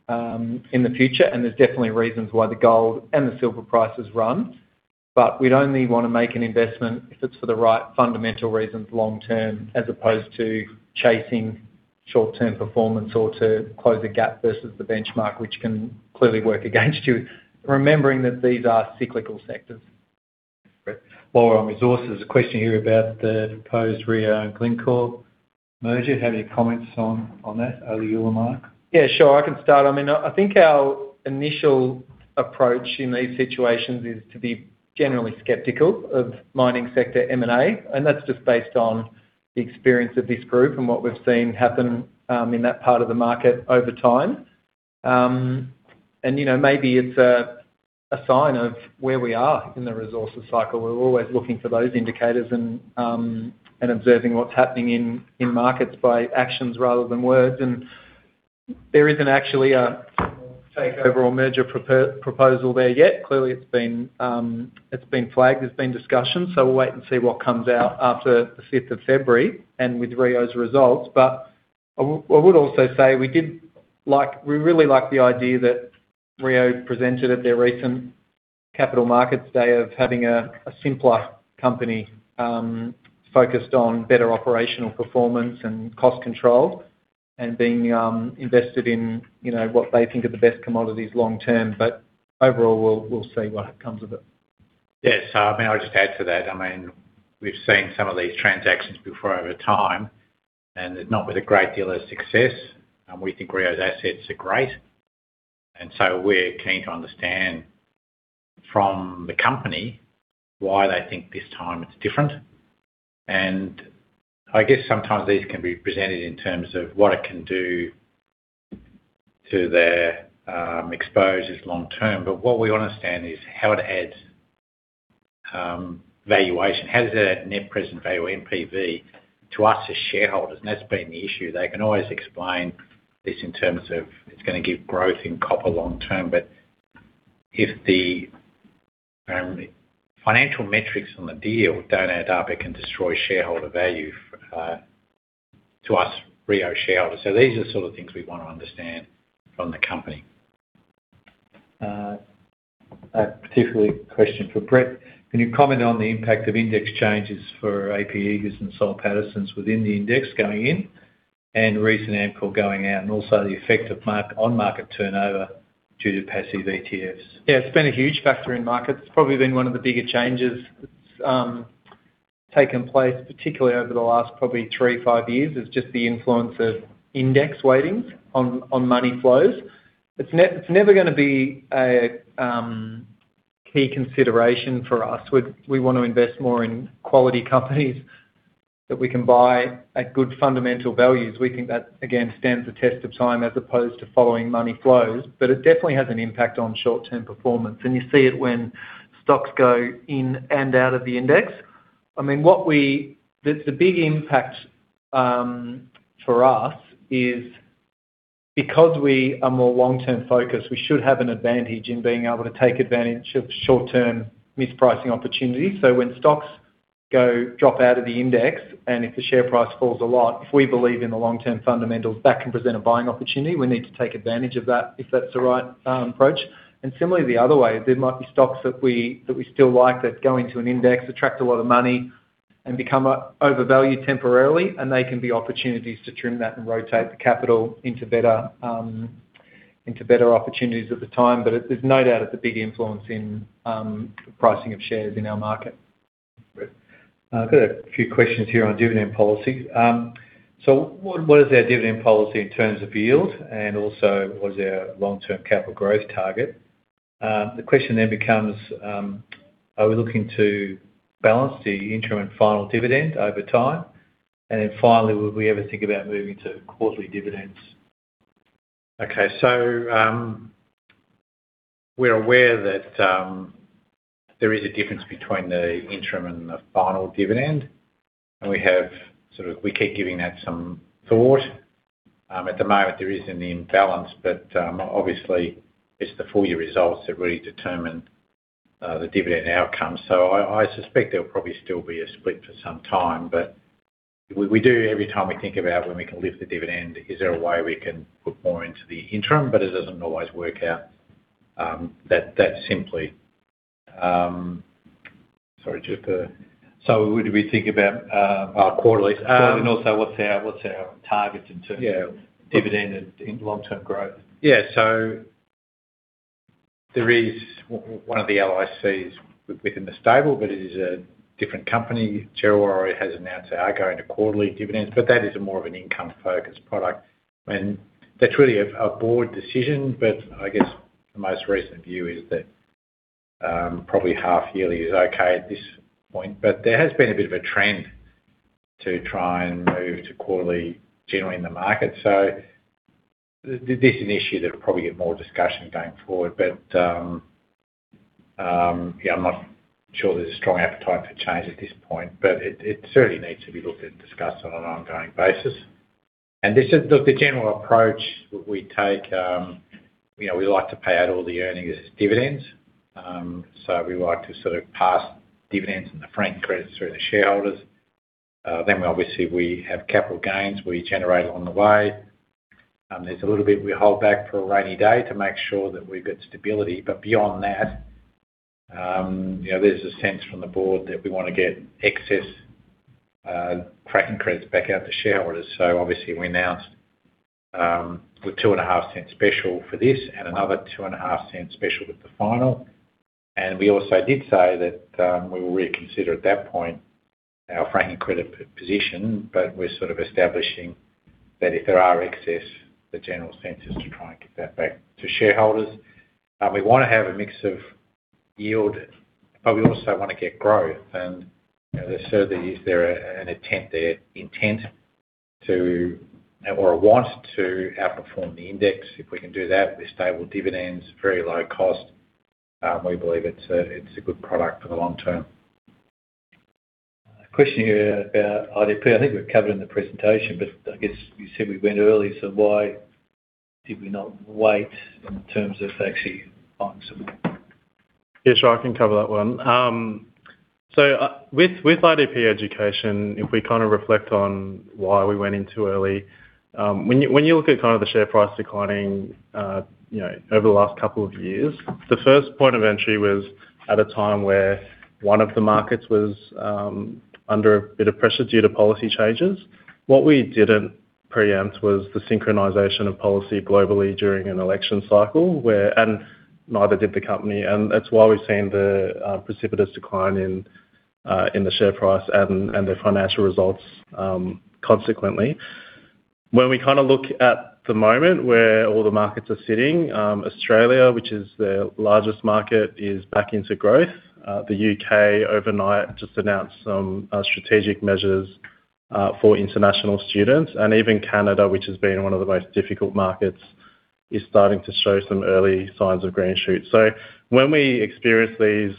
S3: in the future. And there's definitely reasons why the gold and the silver prices run. But we'd only want to make an investment if it's for the right fundamental reasons long-term as opposed to chasing short-term performance or to close a gap versus the benchmark, which can clearly work against you, remembering that these are cyclical sectors.
S6: Lower on resources, a question here about the proposed Teck Glencore merger. Have any comments on that, either you or Mark?
S3: Yeah, sure. I can start. I mean, I think our initial approach in these situations is to be generally skeptical of mining sector M&A. And that's just based on the experience of this group and what we've seen happen in that part of the market over time. And maybe it's a sign of where we are in the resources cycle. We're always looking for those indicators and observing what's happening in markets by actions rather than words. And there isn't actually a takeover or merger proposal there yet. Clearly, it's been flagged. There's been discussions. So we'll wait and see what comes out after the 5th of February and with Rio's results. But I would also say we really like the idea that Rio presented at their recent Capital Markets Day of having a simpler company focused on better operational performance and cost control and being invested in what they think are the best commodities long-term. But overall, we'll see what comes of it.
S2: Yes. I mean, I'll just add to that. I mean, we've seen some of these transactions before over time, and not with a great deal of success. We think Rio's assets are great. And so we're keen to understand from the company why they think this time it's different. And I guess sometimes these can be presented in terms of what it can do to their exposures long-term. But what we want to understand is how it adds valuation. How does it add net present value or NPV to us as shareholders? And that's been the issue. They can always explain this in terms of it's going to give growth in copper long-term. But if the financial metrics on the deal don't add up, it can destroy shareholder value to us, Rio shareholders. So these are the sort of things we want to understand from the company.
S6: A particular question for Brett. Can you comment on the impact of index changes for AFIC users and Soul Pattinson's within the index going in and recent Amcor going out, and also the effect of on-market turnover due to passive ETFs?
S3: Yeah. It's been a huge factor in markets. It's probably been one of the bigger changes that's taken place, particularly over the last probably three, five years, is just the influence of index weightings on money flows. It's never going to be a key consideration for us. We want to invest more in quality companies that we can buy at good fundamental values. We think that, again, stands the test of time as opposed to following money flows. But it definitely has an impact on short-term performance. And you see it when stocks go in and out of the index. I mean, the big impact for us is because we are more long-term focused, we should have an advantage in being able to take advantage of short-term mispricing opportunities. So when stocks drop out of the index and if the share price falls a lot, if we believe in the long-term fundamentals, that can present a buying opportunity. We need to take advantage of that if that's the right approach. And similarly, the other way, there might be stocks that we still like that go into an index, attract a lot of money, and become overvalued temporarily. And they can be opportunities to trim that and rotate the capital into better opportunities at the time. But there's no doubt it's a big influence in the pricing of shares in our market.
S6: I've got a few questions here on dividend policy. So what is our dividend policy in terms of yield? And also, what is our long-term capital growth target? The question then becomes, are we looking to balance the interim and final dividend over time? And then finally, will we ever think about moving to quarterly dividends?
S2: Okay, so we're aware that there is a difference between the interim and the final dividend, and we keep giving that some thought. At the moment, there is an imbalance, but obviously, it's the full-year results that really determine the dividend outcome, so I suspect there'll probably still be a split for some time, but we do, every time we think about when we can lift the dividend, is there a way we can put more into the interim, but it doesn't always work out that simply.
S6: Sorry. Just to.
S2: So would we think about quarterly?
S6: Quarterly, and also, what's our target in terms of dividend and long-term growth?
S2: Yeah. So there is one of the LICs within the stable, but it is a different company. Djerriwarrh has announced they are going to quarterly dividends. But that is more of an income-focused product. And that's really a board decision. But I guess the most recent view is that probably half-yearly is okay at this point. But there has been a bit of a trend to try and move to quarterly generally in the market. So this is an issue that'll probably get more discussion going forward. But yeah, I'm not sure there's a strong appetite for change at this point. But it certainly needs to be looked at and discussed on an ongoing basis. And the general approach that we take, we like to pay out all the earnings as dividends. So we like to sort of pass dividends and the franking credits through the shareholders. Then obviously, we have capital gains we generate along the way. There's a little bit we hold back for a rainy day to make sure that we get stability. But beyond that, there's a sense from the board that we want to get excess franking credits back out to shareholders. So obviously, we announced with AUD 0.025 special for this and another 0.025 special with the final. And we also did say that we will reconsider at that point our franking credit position. But we're sort of establishing that if there are excess, the general sense is to try and get that back to shareholders. We want to have a mix of yield, but we also want to get growth. And certainly, is there an intent there or a want to outperform the index? If we can do that with stable dividends, very low cost, we believe it's a good product for the long term.
S6: Question here about IDP. I think we've covered in the presentation, but I guess you said we went early. So why did we not wait in terms of actually buying some?
S3: Yeah. So I can cover that one. So with IDP Education, if we kind of reflect on why we went in too early, when you look at kind of the share price declining over the last couple of years, the first point of entry was at a time where one of the markets was under a bit of pressure due to policy changes. What we didn't preempt was the synchronization of policy globally during an election cycle, and neither did the company. And that's why we've seen the precipitous decline in the share price and the financial results consequently. When we kind of look at the moment where all the markets are sitting, Australia, which is the largest market, is back into growth. The U.K. overnight just announced some strategic measures for international students. Even Canada, which has been one of the most difficult markets, is starting to show some early signs of green shoots. When we experience these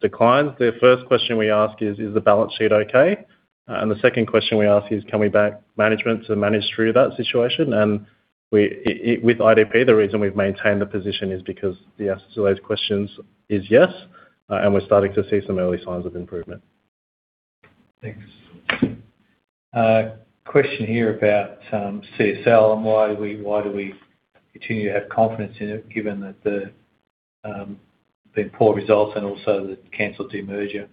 S3: declines, the first question we ask is, is the balance sheet okay? The second question we ask is, can we bank management to manage through that situation? With IDP, the reason we've maintained the position is because the answer to those questions is yes. We're starting to see some early signs of improvement.
S6: Thanks. Question here about CSL and why do we continue to have confidence in it given that there have been poor results and also the canceled de-merger?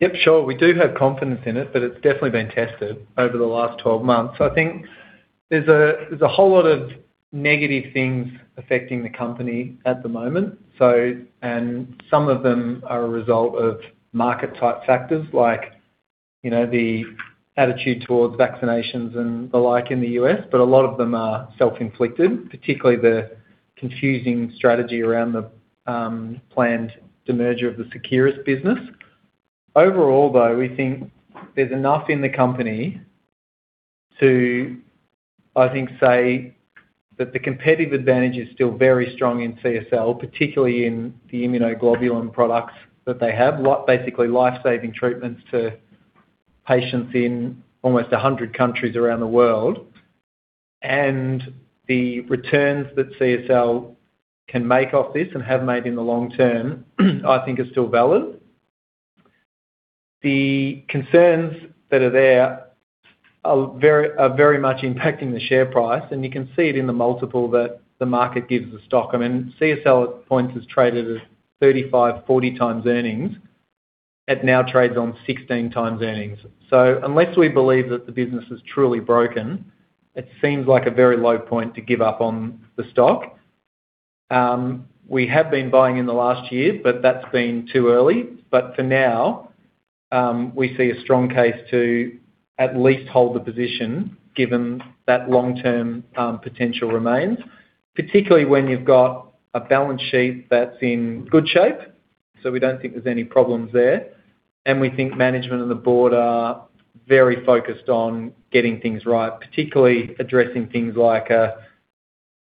S3: Yep. Sure. We do have confidence in it, but it's definitely been tested over the last 12 months. I think there's a whole lot of negative things affecting the company at the moment. And some of them are a result of market-type factors like the attitude towards vaccinations and the like in the U.S. But a lot of them are self-inflicted, particularly the confusing strategy around the planned de-merger of the Seqirus business. Overall, though, we think there's enough in the company to, I think, say that the competitive advantage is still very strong in CSL, particularly in the immunoglobulin products that they have, basically life-saving treatments to patients in almost 100 countries around the world. And the returns that CSL can make off this and have made in the long term, I think, are still valid. The concerns that are there are very much impacting the share price. And you can see it in the multiple that the market gives the stock. I mean, CSL at points has traded at 35x, 40x earnings. It now trades on 16x earnings. So unless we believe that the business is truly broken, it seems like a very low point to give up on the stock. We have been buying in the last year, but that's been too early. But for now, we see a strong case to at least hold the position given that long-term potential remains, particularly when you've got a balance sheet that's in good shape. So we don't think there's any problems there. And we think management and the board are very focused on getting things right, particularly addressing things like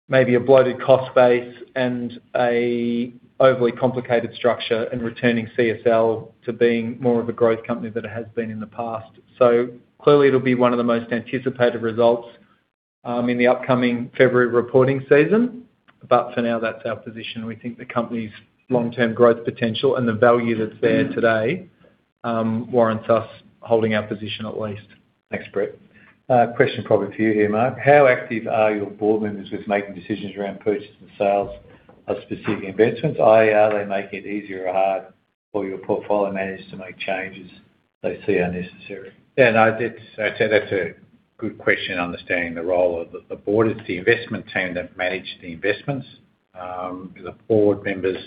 S3: maybe a bloated cost base and an overly complicated structure and returning CSL to being more of a growth company than it has been in the past. So clearly, it'll be one of the most anticipated results in the upcoming February reporting season. But for now, that's our position. We think the company's long-term growth potential and the value that's there today warrants us holding our position at least.
S6: Thanks, Brett. Question probably for you here, Mark. How active are your board members with making decisions around purchase and sales of specific investments? Are they making it easier or harder for your portfolio managers to make changes they see unnecessary?
S2: Yeah. No. That's a good question, understanding the role of the board. It's the investment team that manage the investments. The board members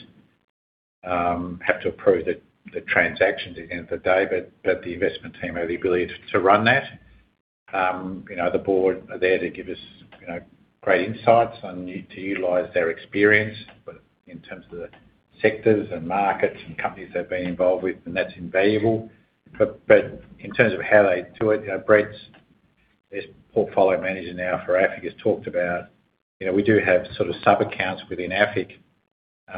S2: have to approve the transactions at the end of the day. But the investment team have the ability to run that. The board are there to give us great insights and to utilize their experience in terms of the sectors and markets and companies they've been involved with. And that's invaluable. But in terms of how they do it, Brett is portfolio manager now for AFIC has talked about we do have sort of sub-accounts within AFIC.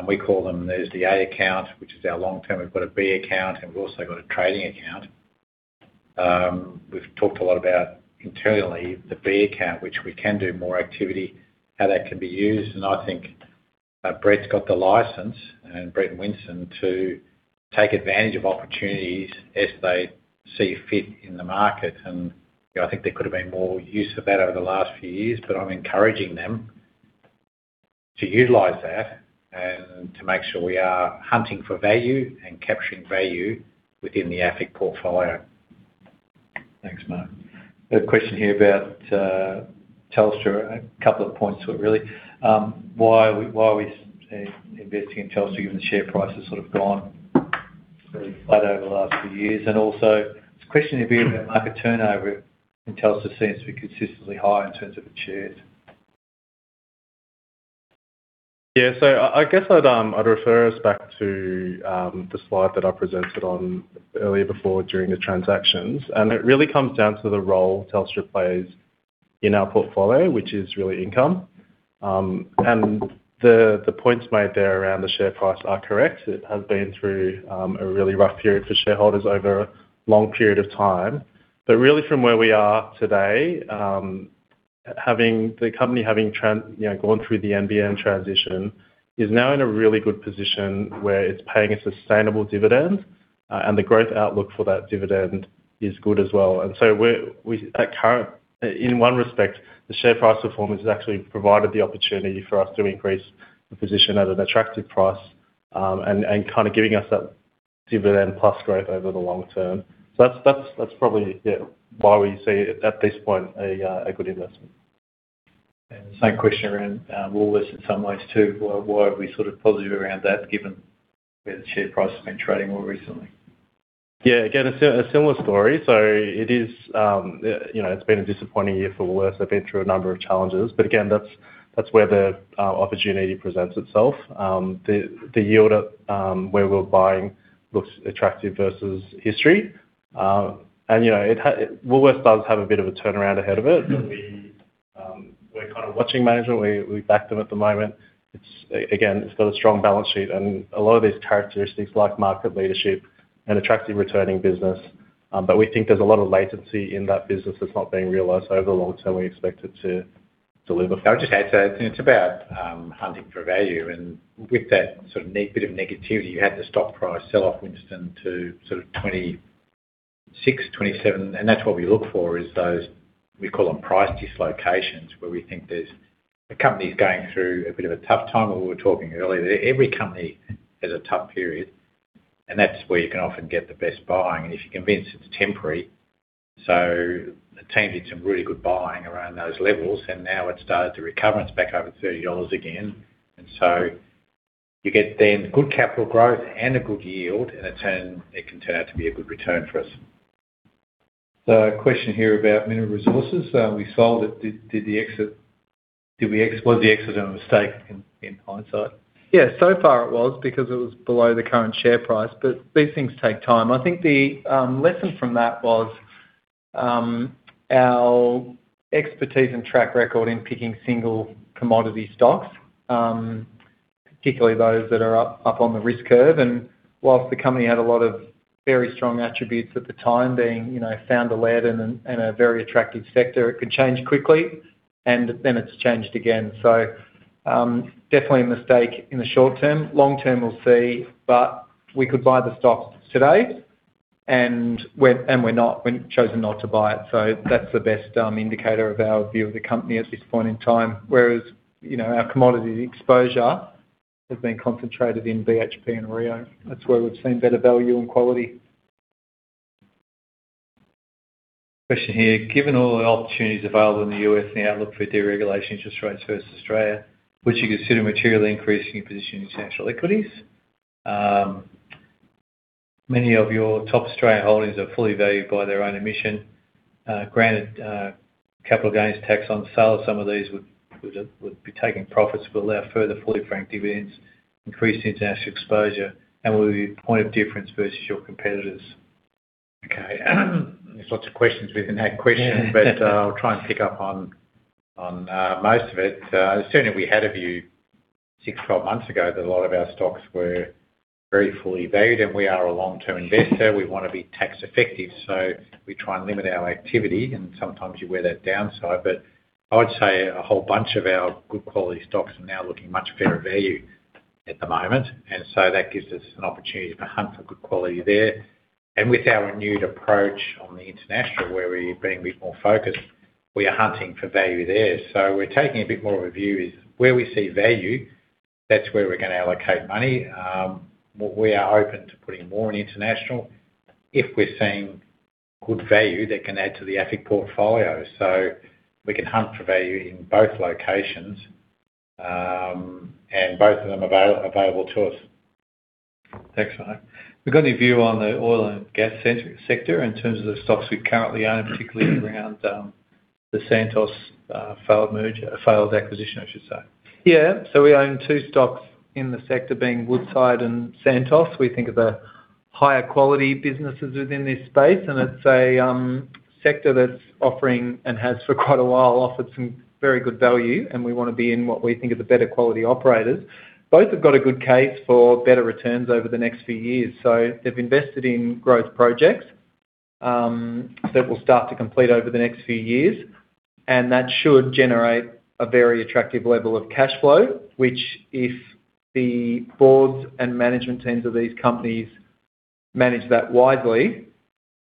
S2: We call them. There's the A account, which is our long-term. We've got a B account. And we've also got a trading account. We've talked a lot about internally the B account, which we can do more activity, how that can be used. And I think Brett's got the license, and Brett and Winston, to take advantage of opportunities as they see fit in the market. And I think there could have been more use of that over the last few years. But I'm encouraging them to utilize that and to make sure we are hunting for value and capturing value within the AFIC portfolio.
S6: Thanks, Mark. A question here about Telstra. A couple of points to it, really. Why are we investing in Telstra given the share price has sort of gone quite over the last few years? And also, it's a question of view about market turnover. Telstra seems to be consistently high in terms of its shares.
S5: Yeah. So I guess I'd refer us back to the slide that I presented on earlier before during the presentation. And it really comes down to the role Telstra plays in our portfolio, which is really income. And the points made there around the share price are correct. It has been through a really rough period for shareholders over a long period of time. But really, from where we are today, the company having gone through the NBN transition is now in a really good position where it's paying a sustainable dividend. And the growth outlook for that dividend is good as well. And so in one respect, the share price performance has actually provided the opportunity for us to increase the position at an attractive price and kind of giving us that dividend plus growth over the long term. So that's probably why we see it at this point a good investment.
S6: And the same question around Woolworths in some ways too. Why are we sort of positive around that given where the share price has been trading more recently?
S5: Yeah. Again, a similar story. So it's been a disappointing year for Woolworths. They've been through a number of challenges. But again, that's where the opportunity presents itself. The yield where we're buying looks attractive versus history. And Woolworths does have a bit of a turnaround ahead of it. We're kind of watching management. We back them at the moment. Again, it's got a strong balance sheet. And a lot of these characteristics like market leadership and attractive returning business. But we think there's a lot of latency in that business that's not being realized over the long term. We expect it to deliver.
S2: I would just add to that. It's about hunting for value. And with that sort of bit of negativity, you had the stock price sell-off, Winston, to sort of 26, 27. And that's what we look for is those we call them price dislocations, where we think the company's going through a bit of a tough time. We were talking earlier that every company has a tough period. And that's where you can often get the best buying. And if you're convinced it's temporary. So the team did some really good buying around those levels. And now it's started to recover. It's back over 30 dollars again. And so you get then good capital growth and a good yield. And it can turn out to be a good return for us.
S6: So a question here about Mineral Resources. We sold it. Did we execute the exit on a mistake in hindsight?
S3: Yeah. So far, it was because it was below the current share price. But these things take time. I think the lesson from that was our expertise and track record in picking single commodity stocks, particularly those that are up on the risk curve. And while the company had a lot of very strong attributes at the time, being founder-led and a very attractive sector, it could change quickly. And then it's changed again. So definitely a mistake in the short term. Long term, we'll see. But we could buy the stock today. And we chose not to buy it. So that's the best indicator of our view of the company at this point in time. Whereas our commodity exposure has been concentrated in BHP and Rio. That's where we've seen better value and quality.
S6: Question here. Given all the opportunities available in the U.S. and the outlook for deregulation interest rates versus Australia, would you consider materially increasing your position in international equities? Many of your top Australian holdings are fully valued by their own admission. Granted, capital gains tax on the sale of some of these would be taking profits will allow further fully franked dividends, increase international exposure, and will be a point of difference versus your competitors.
S2: Okay. There's lots of questions within that question. But I'll try and pick up on most of it. Certainly, we had a view six to 12 months ago that a lot of our stocks were very fully valued. And we are a long-term investor. We want to be tax-effective. So we try and limit our activity. And sometimes you wear that downside. But I would say a whole bunch of our good quality stocks are now looking much fairer value at the moment. And so that gives us an opportunity to hunt for good quality there. And with our renewed approach on the international, where we're being a bit more focused, we are hunting for value there. So we're taking a bit more of a view is where we see value, that's where we're going to allocate money. We are open to putting more in international if we're seeing good value that can add to the AFIC portfolio. So we can hunt for value in both locations and both of them available to us.
S6: Thanks, Mark. We've got your view on the oil and gas sector in terms of the stocks we currently own, particularly around the Santos failed acquisition, I should say.
S3: Yeah. So we own two stocks in the sector being Woodside and Santos. We think of the higher quality businesses within this space. And it's a sector that's offering and has for quite a while offered some very good value. And we want to be in what we think are the better quality operators. Both have got a good case for better returns over the next few years. So they've invested in growth projects that will start to complete over the next few years. And that should generate a very attractive level of cash flow, which if the boards and management teams of these companies manage that wisely,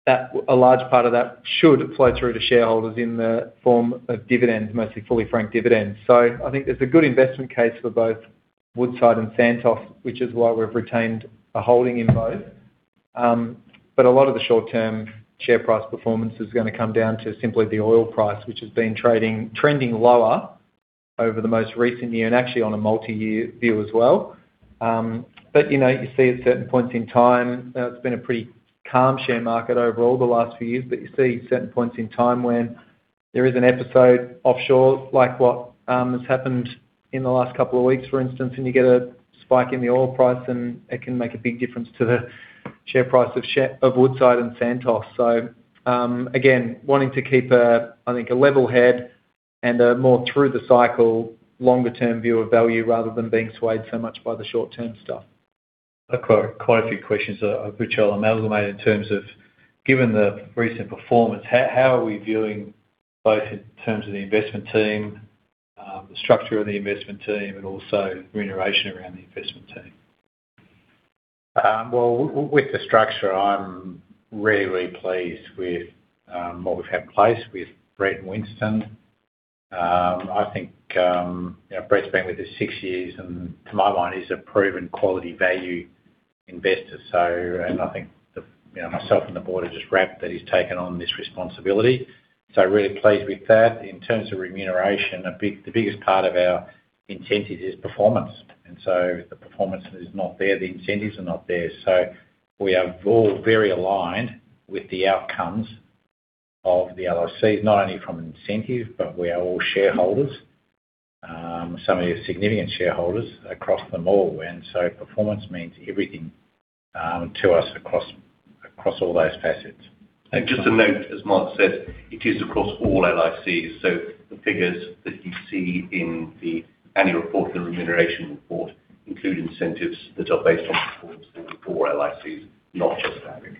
S3: a large part of that should flow through to shareholders in the form of dividends, mostly fully franked dividends. So I think there's a good investment case for both Woodside and Santos, which is why we've retained a holding in both. But a lot of the short-term share price performance is going to come down to simply the oil price, which has been trending lower over the most recent year and actually on a multi-year view as well. But you see at certain points in time, it's been a pretty calm share market overall the last few years. But you see certain points in time when there is an episode offshore like what has happened in the last couple of weeks, for instance, and you get a spike in the oil price, and it can make a big difference to the share price of Woodside and Santos. So again, wanting to keep, I think, a level head and a more through-the-cycle longer-term view of value rather than being swayed so much by the short-term stuff.
S6: Quite a few questions I have which I'll amalgamate in terms of, given the recent performance, how are we viewing both in terms of the investment team, the structure of the investment team, and also remuneration around the investment team?
S2: With the structure, I'm really, really pleased with what we've had in place with Brett and Winston. I think Brett's been with us six years and, to my mind, is a proven quality value investor. I think myself and the board have just wrapped that he's taken on this responsibility. Really pleased with that. In terms of remuneration, the biggest part of our incentive is performance. If the performance is not there, the incentives are not there. We are all very aligned with the outcomes of the LICs, not only from incentive, but we are all shareholders, some of your significant shareholders across them all. Performance means everything to us across all those facets.
S4: Just to note, as Mark said, it is across all LICs. So the figures that you see in the annual report and the remuneration report include incentives that are based on performance for all LICs, not just AFIC.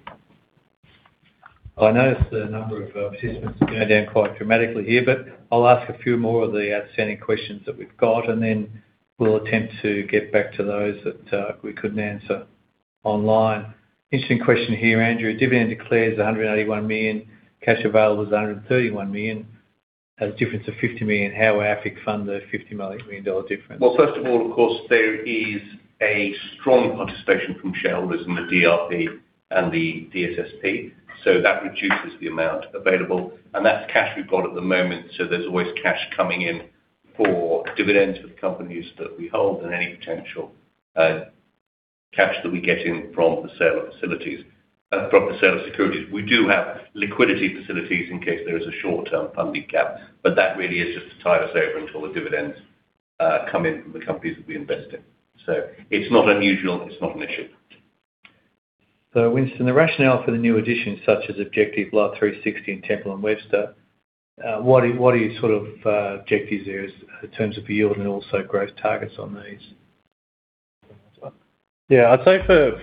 S6: I know the number of participants is going down quite dramatically here. But I'll ask a few more of the outstanding questions that we've got. And then we'll attempt to get back to those that we couldn't answer online. Interesting question here, Andrew. Dividend declares 181 million. Cash available is 131 million. Has a difference of 50 million. How will AFIC fund the 50 million dollar difference?
S4: Well, first of all, of course, there is a strong participation from shareholders in the DRP and the DSSP. So that reduces the amount available. And that's cash we've got at the moment. So there's always cash coming in for dividends for the companies that we hold and any potential cash that we get in from the sale of securities. We do have liquidity facilities in case there is a short-term funding gap. But that really is just to tide us over until the dividends come in from the companies that we invest in. So it's not unusual. It's not an issue.
S6: So Winston, the rationale for the new additions, such as Objective, Life360 and Temple & Webster, what are your sort of objectives there in terms of yield and also growth targets on these?
S5: Yeah. I'd say for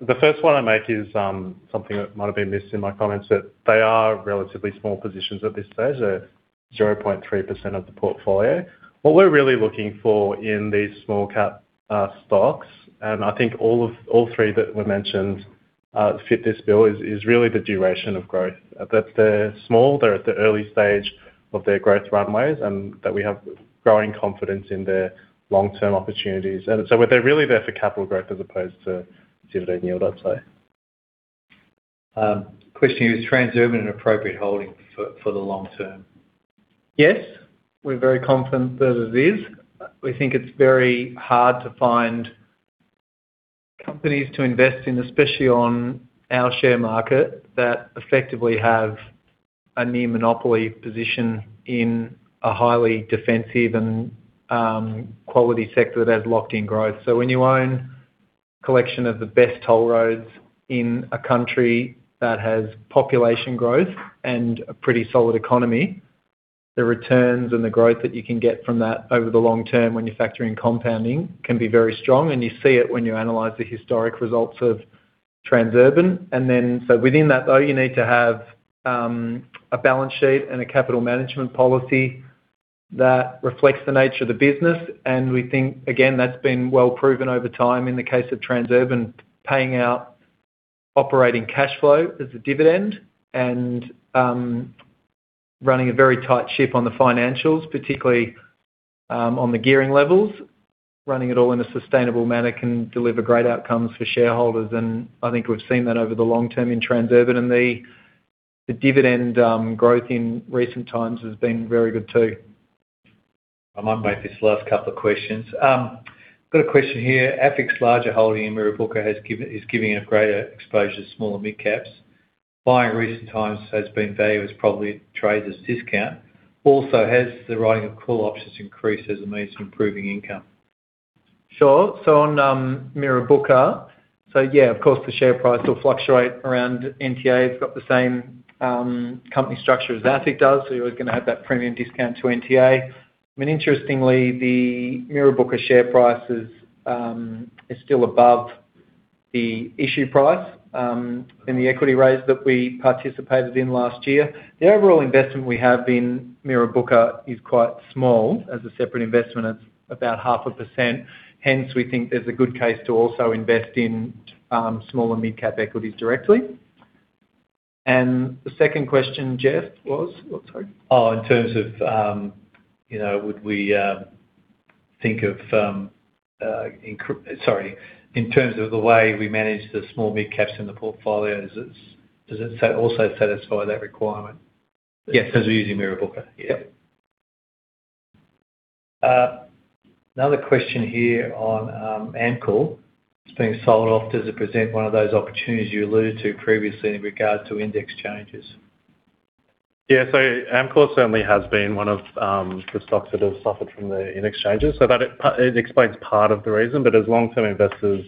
S5: the first one, it is something that might have been missed in my comments that they are relatively small positions at this stage, 0.3% of the portfolio. What we're really looking for in these small-cap stocks, and I think all three that were mentioned fit this bill, is really the duration of growth. That they're small. They're at the early stage of their growth runways and that we have growing confidence in their long-term opportunities. And so they're really there for capital growth as opposed to dividend yield, I'd say.
S6: Question here. Is Transurban an appropriate holding for the long term?
S3: Yes. We're very confident that it is. We think it's very hard to find companies to invest in, especially on our share market, that effectively have a near-monopoly position in a highly defensive and quality sector that has locked-in growth, so when you own a collection of the best toll roads in a country that has population growth and a pretty solid economy, the returns and the growth that you can get from that over the long term when you factor in compounding can be very strong, and you see it when you analyze the historic results of Transurban, and then so within that, though, you need to have a balance sheet and a capital management policy that reflects the nature of the business. And we think, again, that's been well proven over time in the case of Transurban paying out operating cash flow as a dividend and running a very tight ship on the financials, particularly on the gearing levels. Running it all in a sustainable manner can deliver great outcomes for shareholders. And I think we've seen that over the long term in Transurban. And the dividend growth in recent times has been very good too.
S6: I might make this last couple of questions. I've got a question here. AFIC's larger holding in Mirrabooka is giving it greater exposure to smaller mid-caps. But in recent times has been valued as probably trading at a discount. Also, has the writing of call options increased as a means of improving income?
S3: Sure. So on Mirrabooka, so yeah, of course, the share price will fluctuate around NTA. It's got the same company structure as AFIC does. So you're always going to have that premium discount to NTA. I mean, interestingly, the Mirrabooka share price is still above the issue price in the equity raise that we participated in last year. The overall investment we have in Mirrabooka is quite small. As a separate investment, it's about 0.5%. Hence, we think there's a good case to also invest in smaller mid-cap equities directly. And the second question, Geoff, was what? Sorry.
S6: In terms of the way we manage the small mid-caps in the portfolio, does it also satisfy that requirement?
S2: Yes. Because we're using Mirrabooka.
S6: Yeah. Another question here on Amcor. It's being sold off. Does it present one of those opportunities you alluded to previously in regard to index changes?
S3: Yeah. So Amcor certainly has been one of the stocks that have suffered from the index changes. So that explains part of the reason. But as long-term investors,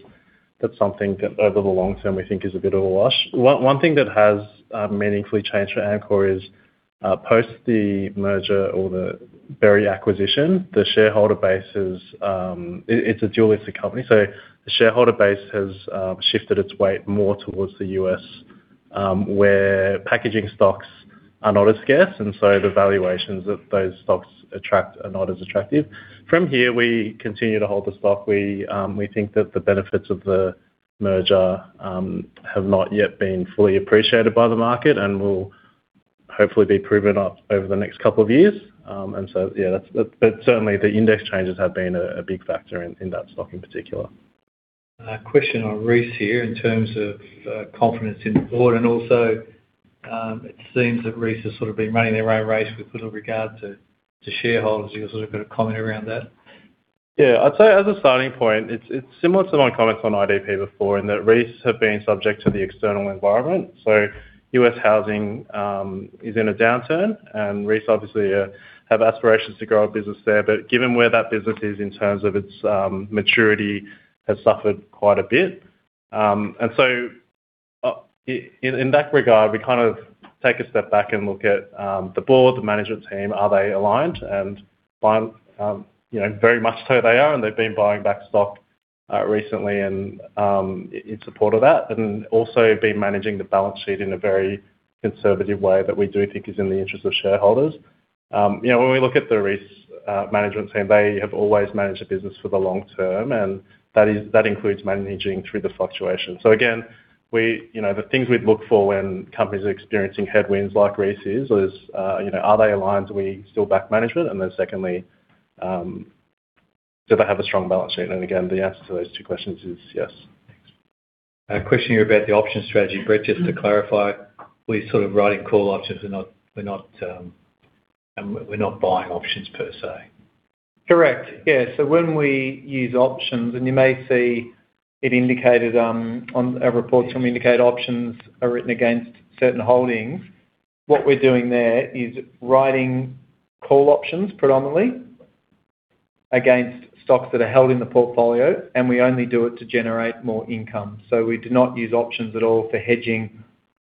S3: that's something that over the long term, we think is a bit of a wash. One thing that has meaningfully changed for Amcor is post the merger or the Ball acquisition, the shareholder base is; it's a dual-listed company. So the shareholder base has shifted its weight more towards the U.S., where packaging stocks are not as scarce. And so the valuations that those stocks attract are not as attractive. From here, we continue to hold the stock. We think that the benefits of the merger have not yet been fully appreciated by the market and will hopefully be proven over the next couple of years. Certainly, the index changes have been a big factor in that stock in particular.
S6: Question on Reece here in terms of confidence in the board. And also, it seems that Reece has sort of been running their own race with regard to shareholders. You've sort of got a comment around that.
S3: Yeah. I'd say as a starting point, it's similar to my comments on IDP before in that Reece have been subject to the external environment. So U.S. housing is in a downturn, and Reece obviously have aspirations to grow a business there. But given where that business is in terms of its maturity, it has suffered quite a bit. In that regard, we kind of take a step back and look at the board, the management team. Are they aligned? Very much so, they are. They've been buying back stock recently in support of that and also been managing the balance sheet in a very conservative way that we do think is in the interest of shareholders. When we look at the Reece management team, they have always managed a business for the long term. That includes managing through the fluctuation. So again, the things we'd look for when companies are experiencing headwinds like Reece is, are they aligned? Are we still behind management? And then secondly, do they have a strong balance sheet? And again, the answer to those two questions is yes.
S6: Question here about the option strategy. Brett, just to clarify, we're sort of writing call options. We're not buying options per se.
S3: Correct. Yeah. So when we use options, and you may see it indicated on our reports when we indicate options are written against certain holdings, what we're doing there is writing call options predominantly against stocks that are held in the portfolio. And we only do it to generate more income. So we do not use options at all for hedging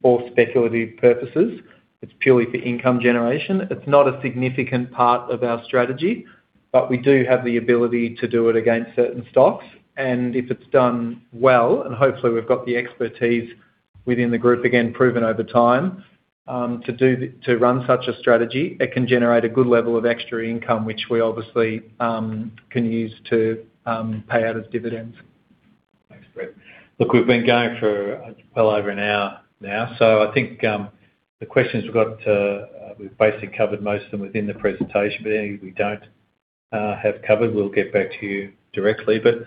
S3: or speculative purposes. It's purely for income generation. It's not a significant part of our strategy. But we do have the ability to do it against certain stocks. And if it's done well, and hopefully we've got the expertise within the group, again, proven over time to run such a strategy, it can generate a good level of extra income, which we obviously can use to pay out as dividends.
S6: Thanks, Brett. Look, we've been going for well over an hour now. So I think the questions we've got, we've basically covered most of them within the presentation. But any we don't have covered, we'll get back to you directly. But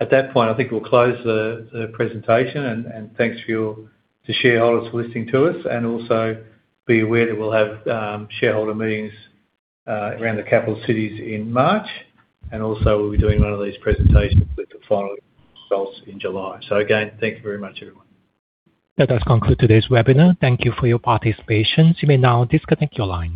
S6: at that point, I think we'll close the presentation. And thanks to shareholders for listening to us. And also, be aware that we'll have shareholder meetings around the capital cities in March. And also, we'll be doing one of these presentations with the final results in July. So again, thank you very much, everyone.
S1: That does conclude today's webinar. Thank you for your participation. You may now disconnect your lines.